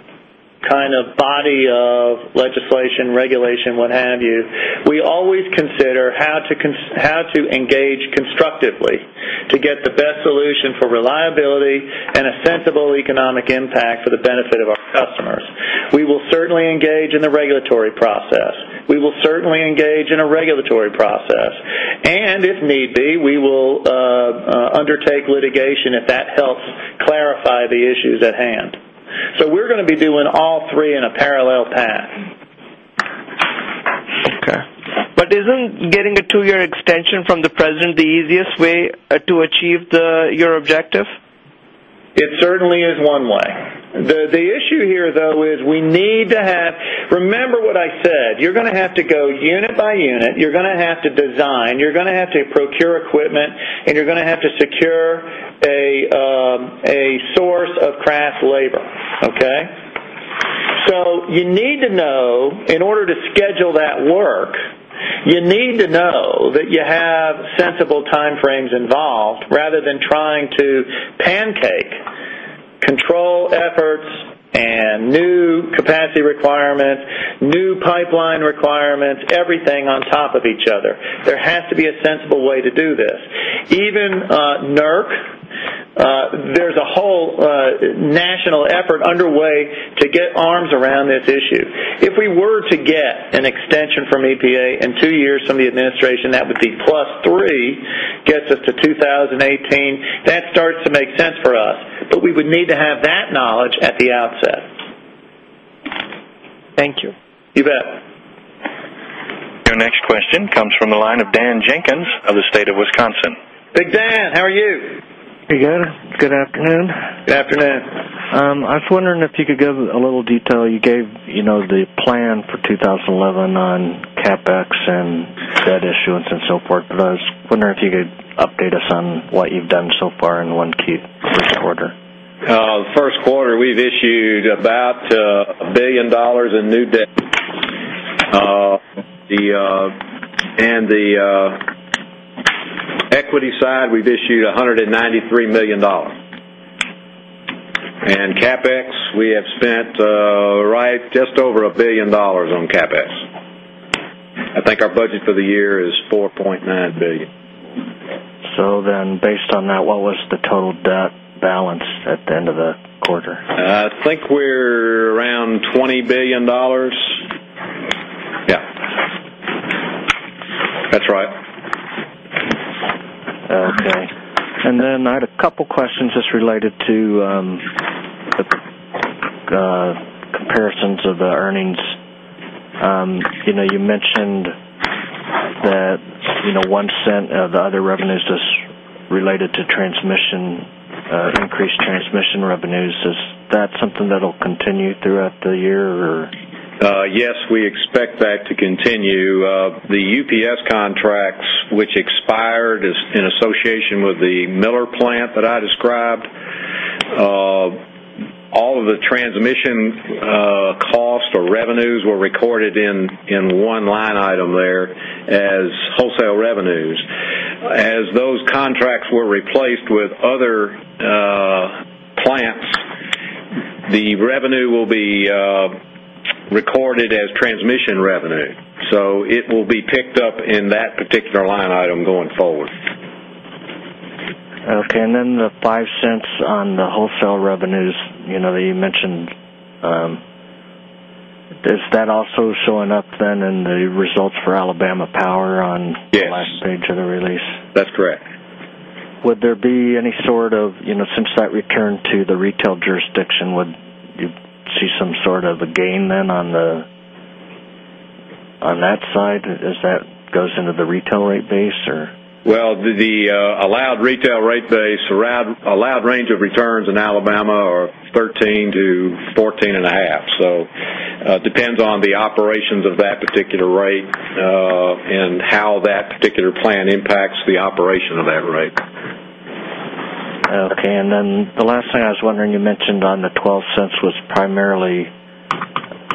kind of body of legislation, regulation, what have you, we always consider how to engage constructively to get the best solution for reliability and a sensible economic impact for the benefit of our customers. We will certainly engage in the regulatory process. We will certainly engage in a regulatory process. If need be, we will undertake litigation if that helps clarify the issues at hand. We're going to be doing all three in a parallel path. Isn't getting a two-year extension from the president the easiest way to achieve your objective? It certainly is one way. The issue here, though, is we need to have, remember what I said, you're going to have to go unit by unit, you're going to have to design, you're going to have to procure equipment, and you're going to have to secure a source of craft labor, okay? You need to know, in order to schedule that work, you need to know that you have sensible timeframes involved rather than trying to pancake control efforts and new capacity requirements, new pipeline requirements, everything on top of each other. There has to be a sensible way to do this. Even NERC, there's a whole national effort underway to get arms around this issue. If we were to get an extension from EPA in two years from the administration, that would be plus three, gets us to 2018. That starts to make sense for us. We would need to have that knowledge at the outset. Thank you. You bet. Your next question comes from the line of Dan Jenkins of the State of Wisconsin. Hey, Dan. How are you? Hey, good afternoon. Good afternoon. I was wondering if you could give a little detail. You gave the plan for 2011 on CapEx and Fed issuance and so forth, but I was wondering if you could update us on what you've done so far in the one quarter. The first quarter, we've issued about $1 billion in new debt. On the equity side, we've issued $193 million. For CapEx, we have spent just over $1 billion. I think our budget for the year is $4.9 billion. Based on that, what was the total debt balance at the end of the quarter? I think we're around $20 billion. Yeah. That's right. Okay. I had a couple of questions just related to the comparisons of the earnings. You mentioned that $0.01 of the other revenues is related to increased transmission revenues. Is that something that'll continue throughout the year, or? Yes, we expect that to continue. The UPS contracts, which expired in association with the Miller plant that I described, all of the transmission costs or revenues were recorded in one line item there as wholesale revenues. As those contracts were replaced with other plants, the revenue will be recorded as transmission revenue. It will be picked up in that particular line item going forward. Okay. The $0.05 on the wholesale revenues you mentioned, is that also showing up in the results for Alabama Power on the last page of the release? That's correct. Would there be any sort of, you know, since that returned to the retail jurisdiction, would you see some sort of a gain then on that side as that goes into the retail rate base? The allowed retail rate base, allowed range of returns in Alabama are 13%-14.5%. It depends on the operations of that particular rate and how that particular plan impacts the operation of that rate. Okay. The last thing I was wondering, you mentioned on the $0.12 was primarily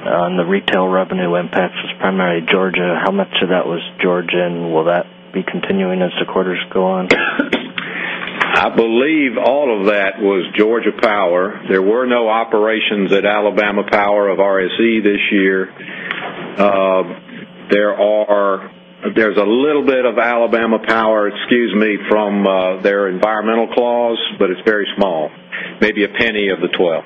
on the retail revenue impacts, was primarily Georgia. How much of that was Georgia, and will that be continuing as the quarters go on? I believe all of that was Georgia Power. There were no operations at Alabama Power of RSE this year. There's a little bit of Alabama Power, excuse me, from their environmental clause, but it's very small, maybe $0.01 of the $0.12.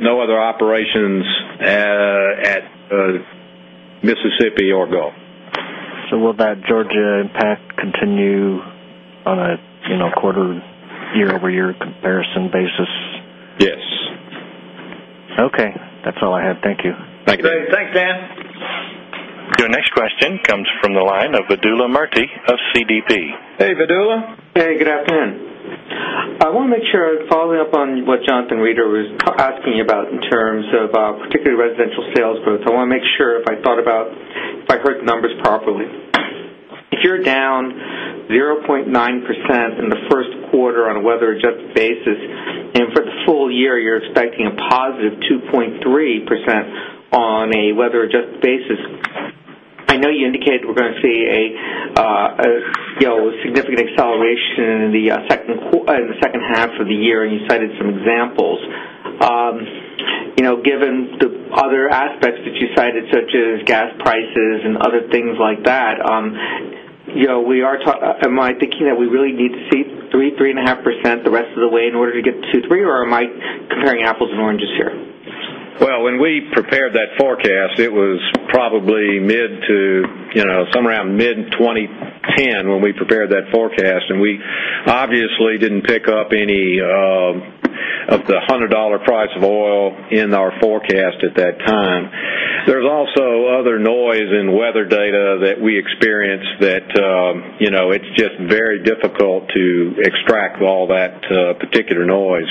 No other operations at Mississippi or Go. Will that Georgia impact continue on a quarter year-over-year comparison basis? Yes. Okay. That's all I had. Thank you. Thank you. Thanks, Dan. Your next question comes from the line of Vidula [Murty] of CDP. Hey, Vidula. Hey, good afternoon. I want to make sure I'm following up on what Jonathan Reeder was asking you about in terms of particularly residential sales growth. I want to make sure if I thought about if I heard the numbers properly. If you're down 0.9% in the first quarter on a weather-adjusted basis, and for the full year, you're expecting a +2.3% on a weather-adjusted basis, I know you indicated we're going to see a significant acceleration in the second half of the year, and you cited some examples. Given the other aspects that you cited, such as gas prices and other things like that, am I thinking that we really need to see 3%, 3.5% the rest of the way in order to get to 2%, 3%, or am I comparing apples and oranges here? When we prepared that forecast, it was probably mid to, you know, somewhere around mid-2010 when we prepared that forecast, and we obviously didn't pick up any of the $100 price of oil in our forecast at that time. There's also other noise in weather data that we experienced that, you know, it's just very difficult to extract all that particular noise.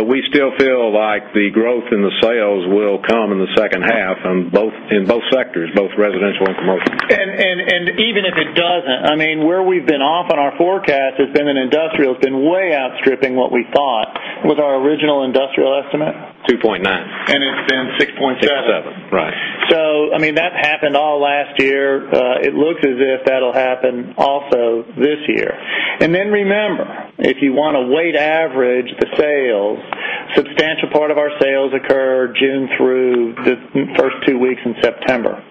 We still feel like the growth in the sales will come in the second half in both sectors, both residential and commercial. Even if it doesn't, where we've been off on our forecast has been in industrial. It's been way outstripping what we thought. What was our original industrial estimate? 2.9%. It has been 6.7%. 6.7%, right. That happened all last year. It looks as if that'll happen also this year. Remember, if you want to weight average the sales, a substantial part of our sales occurred June through the first two weeks in September.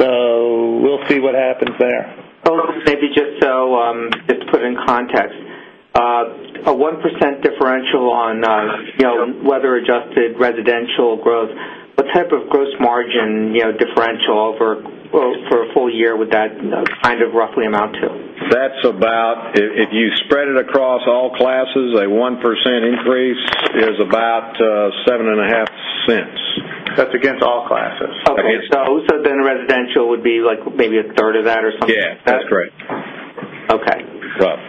We'll see what happens there. Maybe just so it's put in context, a 1% differential on weather-adjusted residential growth, what type of gross margin differential over for a full year would that kind of roughly amount to? That's about, if you spread it across all classes, a 1% increase is about $7.50. That's against all classes. All classes. Okay, so then residential would be like maybe 1/3 of that or something? Yeah, that's right. Okay. Rough.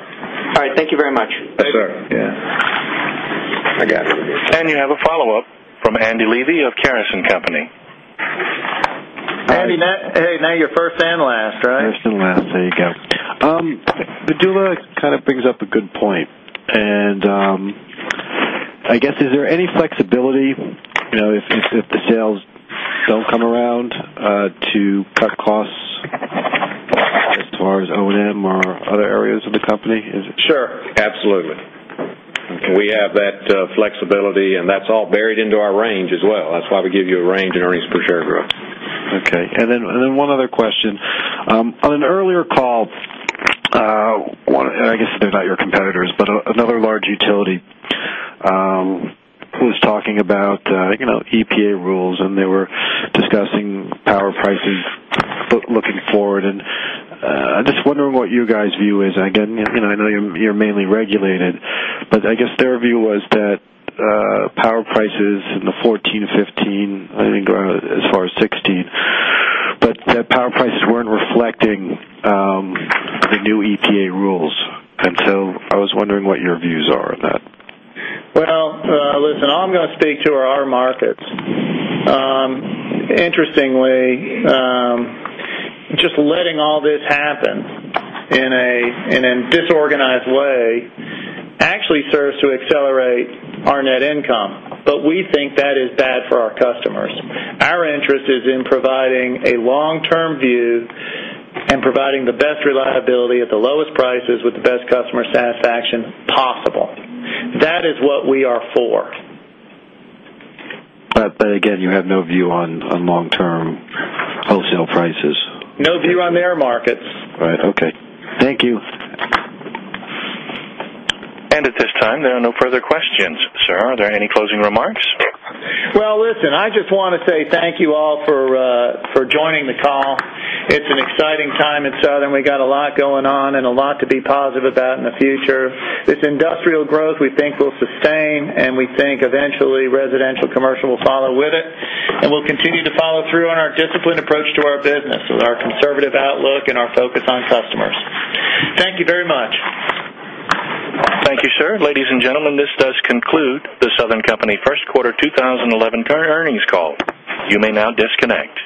All right, thank you very much. Thanks, Viduli. Yeah, I got it. You have a follow-up from Andy [Levi] of Caris & Company. Andy, now you're first and last, right? First and last, there you go. Vidula kind of brings up a good point. I guess, is there any flexibility, you know, if the sales don't come around to cut costs as far as O&M or other areas of the company? Sure, absolutely. We have that flexibility, and that's all buried into our range as well. That's why we give you a range in earnings per share growth. Okay, and then one other question. On an earlier call, and I guess they're not your competitors, but another large utility was talking about, you know, EPA rules, and they were discussing power prices looking forward. I'm just wondering what your guys' view is. Again, you know, I know you're mainly regulated, but I guess their view was that power prices in 2014-2015, I think as far as 2016, that power prices weren't reflecting the new EPA rules. I was wondering what your views are on that. All I'm going to speak to are our markets. Interestingly, just letting all this happen in a disorganized way actually serves to accelerate our net income. We think that is bad for our customers. Our interest is in providing a long-term view and providing the best reliability at the lowest prices with the best customer satisfaction possible. That is what we are for. You have no view on long-term wholesale prices. No view on their markets. All right, okay. Thank you. At this time, there are no further questions, sir. Are there any closing remarks? I just want to say thank you all for joining the call. It's an exciting time at Southern. We got a lot going on and a lot to be positive about in the future. This industrial growth we think will sustain, and we think eventually residential and commercial will follow with it. We'll continue to follow through on our disciplined approach to our business with our conservative outlook and our focus on customers. Thank you very much. Thank you, sir. Ladies and gentlemen, this does conclude The Southern Company first quarter 2011 earnings call. You may now disconnect.